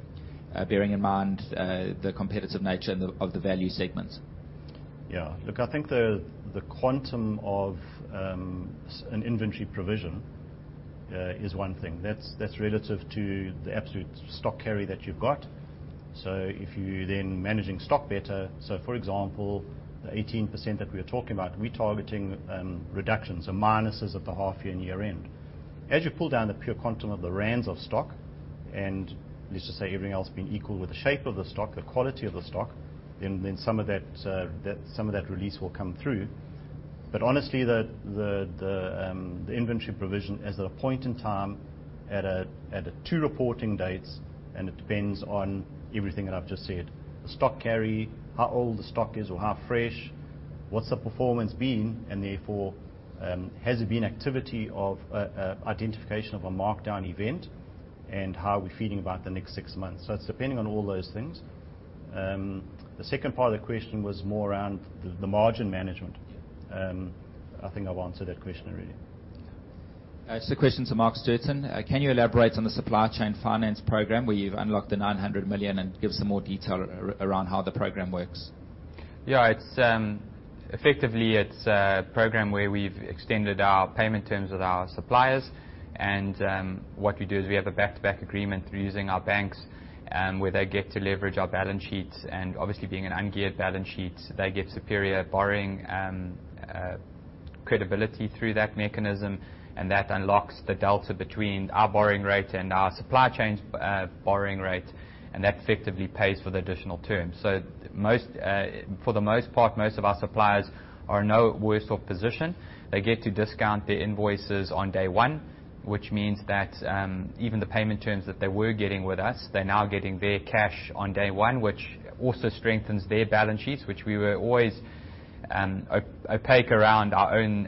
bearing in mind the competitive nature of the value segments? Look, I think the quantum of an inventory provision is one thing. That's relative to the absolute stock carry that you've got. If you're then managing stock better, for example, the 18% that we are talking about, we're targeting reductions or minuses at the half year and year end. As you pull down the pure quantum of the ZAR of stock, and let's just say everything else being equal with the shape of the stock, the quality of the stock, then some of that release will come through. Honestly, the inventory provision is at a point in time at two reporting dates, and it depends on everything that I've just said. The stock carry, how old the stock is or how fresh, what's the performance been, and therefore, has there been activity of identification of a markdown event, and how are we feeling about the next six months? It's depending on all those things. The second part of the question was more around the margin management. I think I've answered that question already. Question to Mark Stirton. Can you elaborate on the supply chain finance program where you've unlocked the 900 million and give some more detail around how the program works? Effectively, it's a program where we've extended our payment terms with our suppliers. What we do is we have a back-to-back agreement through using our banks, where they get to leverage our balance sheets. Obviously, being an ungeared balance sheet, they get superior borrowing credibility through that mechanism. That unlocks the delta between our borrowing rate and our supply chain's borrowing rate, and that effectively pays for the additional term. For the most part, most of our suppliers are in no worse off position. They get to discount their invoices on day one, which means that even the payment terms that they were getting with us, they're now getting their cash on day one, which also strengthens their balance sheets, which we were always opaque around our own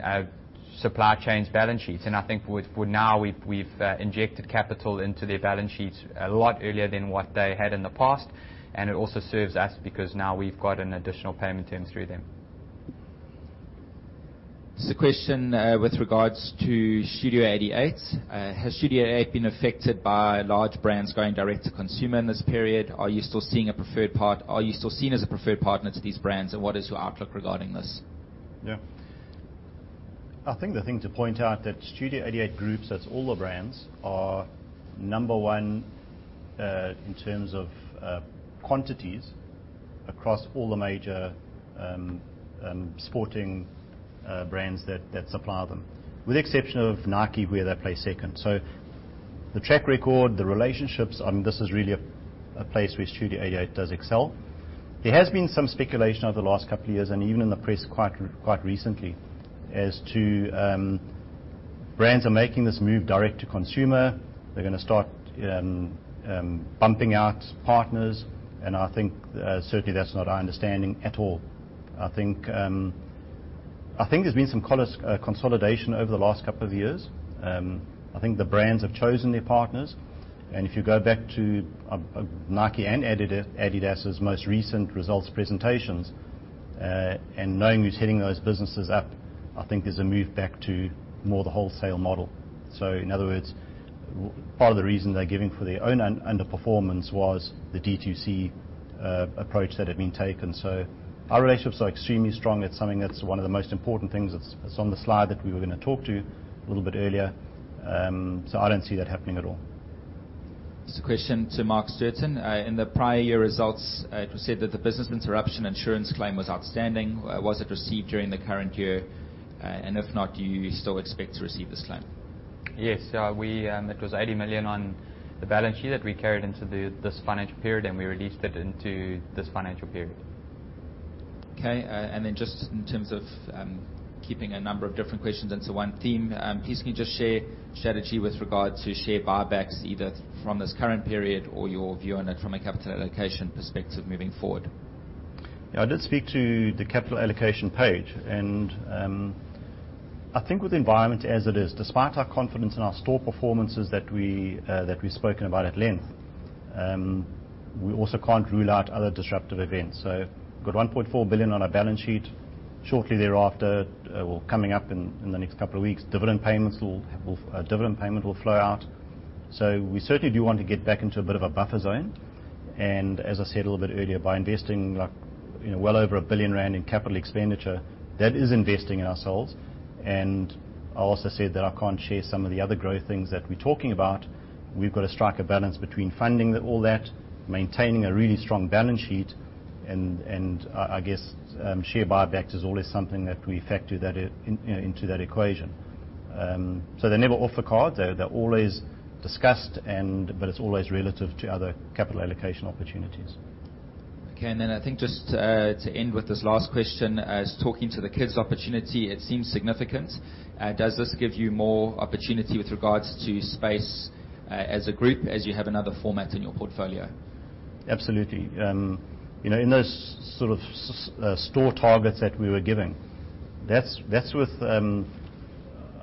supply chain's balance sheets. I think for now, we've injected capital into their balance sheets a lot earlier than what they had in the past. It also serves us because now we've got an additional payment term through them. This is a question with regards to Studio 88. Has Studio 88 been affected by large brands going direct to consumer in this period? Are you still seen as a preferred partner to these brands, and what is your outlook regarding this? Yeah. I think the thing to point out that Studio 88 Group, that's all the brands, are number 1 in terms of quantities across all the major sporting brands that supply them. With the exception of Nike, where they play second. The track record, the relationships, this is really a place where Studio 88 does excel. There has been some speculation over the last couple of years, and even in the press quite recently, as to brands are making this move direct-to-consumer. They're going to start bumping out partners. I think certainly that's not our understanding at all. I think there's been some consolidation over the last couple of years. I think the brands have chosen their partners. If you go back to Nike and Adidas's most recent results presentations, and knowing who's hitting those businesses up, I think there's a move back to more the wholesale model. In other words, part of the reason they're giving for their own underperformance was the D2C approach that had been taken. Our relationships are extremely strong. It's something that's one of the most important things that's on the slide that we were going to talk to a little bit earlier. I don't see that happening at all. This is a question to Mark Stirton. In the prior year results, it was said that the business interruption insurance claim was outstanding. Was it received during the current year? If not, do you still expect to receive this claim? Yes. It was 80 million on the balance sheet that we carried into this financial period, we released it into this financial period. Okay. Just in terms of keeping a number of different questions into one theme, please can you just share strategy with regard to share buybacks, either from this current period or your view on it from a capital allocation perspective moving forward? Yeah, I did speak to the capital allocation page. I think with the environment as it is, despite our confidence in our store performances that we've spoken about at length, we also can't rule out other disruptive events. Got 1.4 billion on our balance sheet shortly thereafter, well, coming up in the next couple of weeks, dividend payment will flow out. We certainly do want to get back into a bit of a buffer zone. As I said a little bit earlier, by investing well over 1 billion rand in capital expenditure, that is investing in ourselves. I also said that I can't share some of the other growth things that we're talking about. We've got to strike a balance between funding all that, maintaining a really strong balance sheet, I guess, share buybacks is always something that we factor into that equation. They're never off the card. They're always discussed, it's always relative to other capital allocation opportunities. Okay. I think just to end with this last question, as talking to the kids opportunity, it seems significant. Does this give you more opportunity with regards to space, as a group, as you have another format in your portfolio? Absolutely. In those sort of store targets that we were giving, that's with,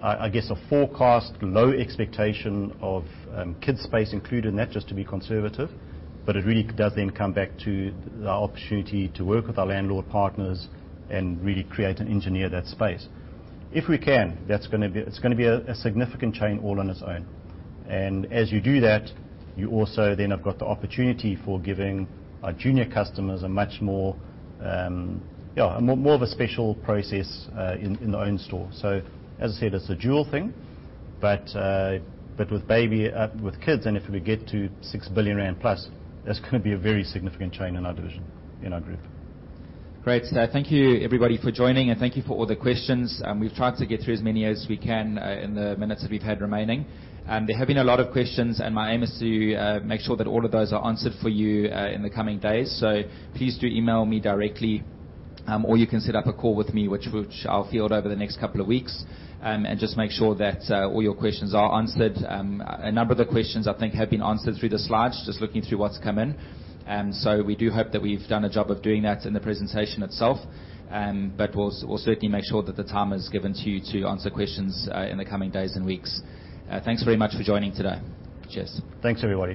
I guess, a forecast low expectation of kids space included in that, just to be conservative. It really does then come back to the opportunity to work with our landlord partners and really create and engineer that space. If we can, it's going to be a significant chain all on its own. As you do that, you also then have got the opportunity for giving our junior customers more of a special process in their own store. As I said, it's a dual thing, but with kids and if we get to 6 billion rand plus, that's going to be a very significant chain in our division, in our group. Great. Thank you everybody for joining, and thank you for all the questions. We've tried to get through as many as we can in the minutes that we've had remaining. There have been a lot of questions, and my aim is to make sure that all of those are answered for you in the coming days. Please do email me directly, or you can set up a call with me, which I'll field over the next couple of weeks, and just make sure that all your questions are answered. A number of the questions I think have been answered through the slides, just looking through what's come in. We do hope that we've done a job of doing that in the presentation itself. We'll certainly make sure that the time is given to you to answer questions in the coming days and weeks. Thanks very much for joining today. Cheers. Thanks, everybody.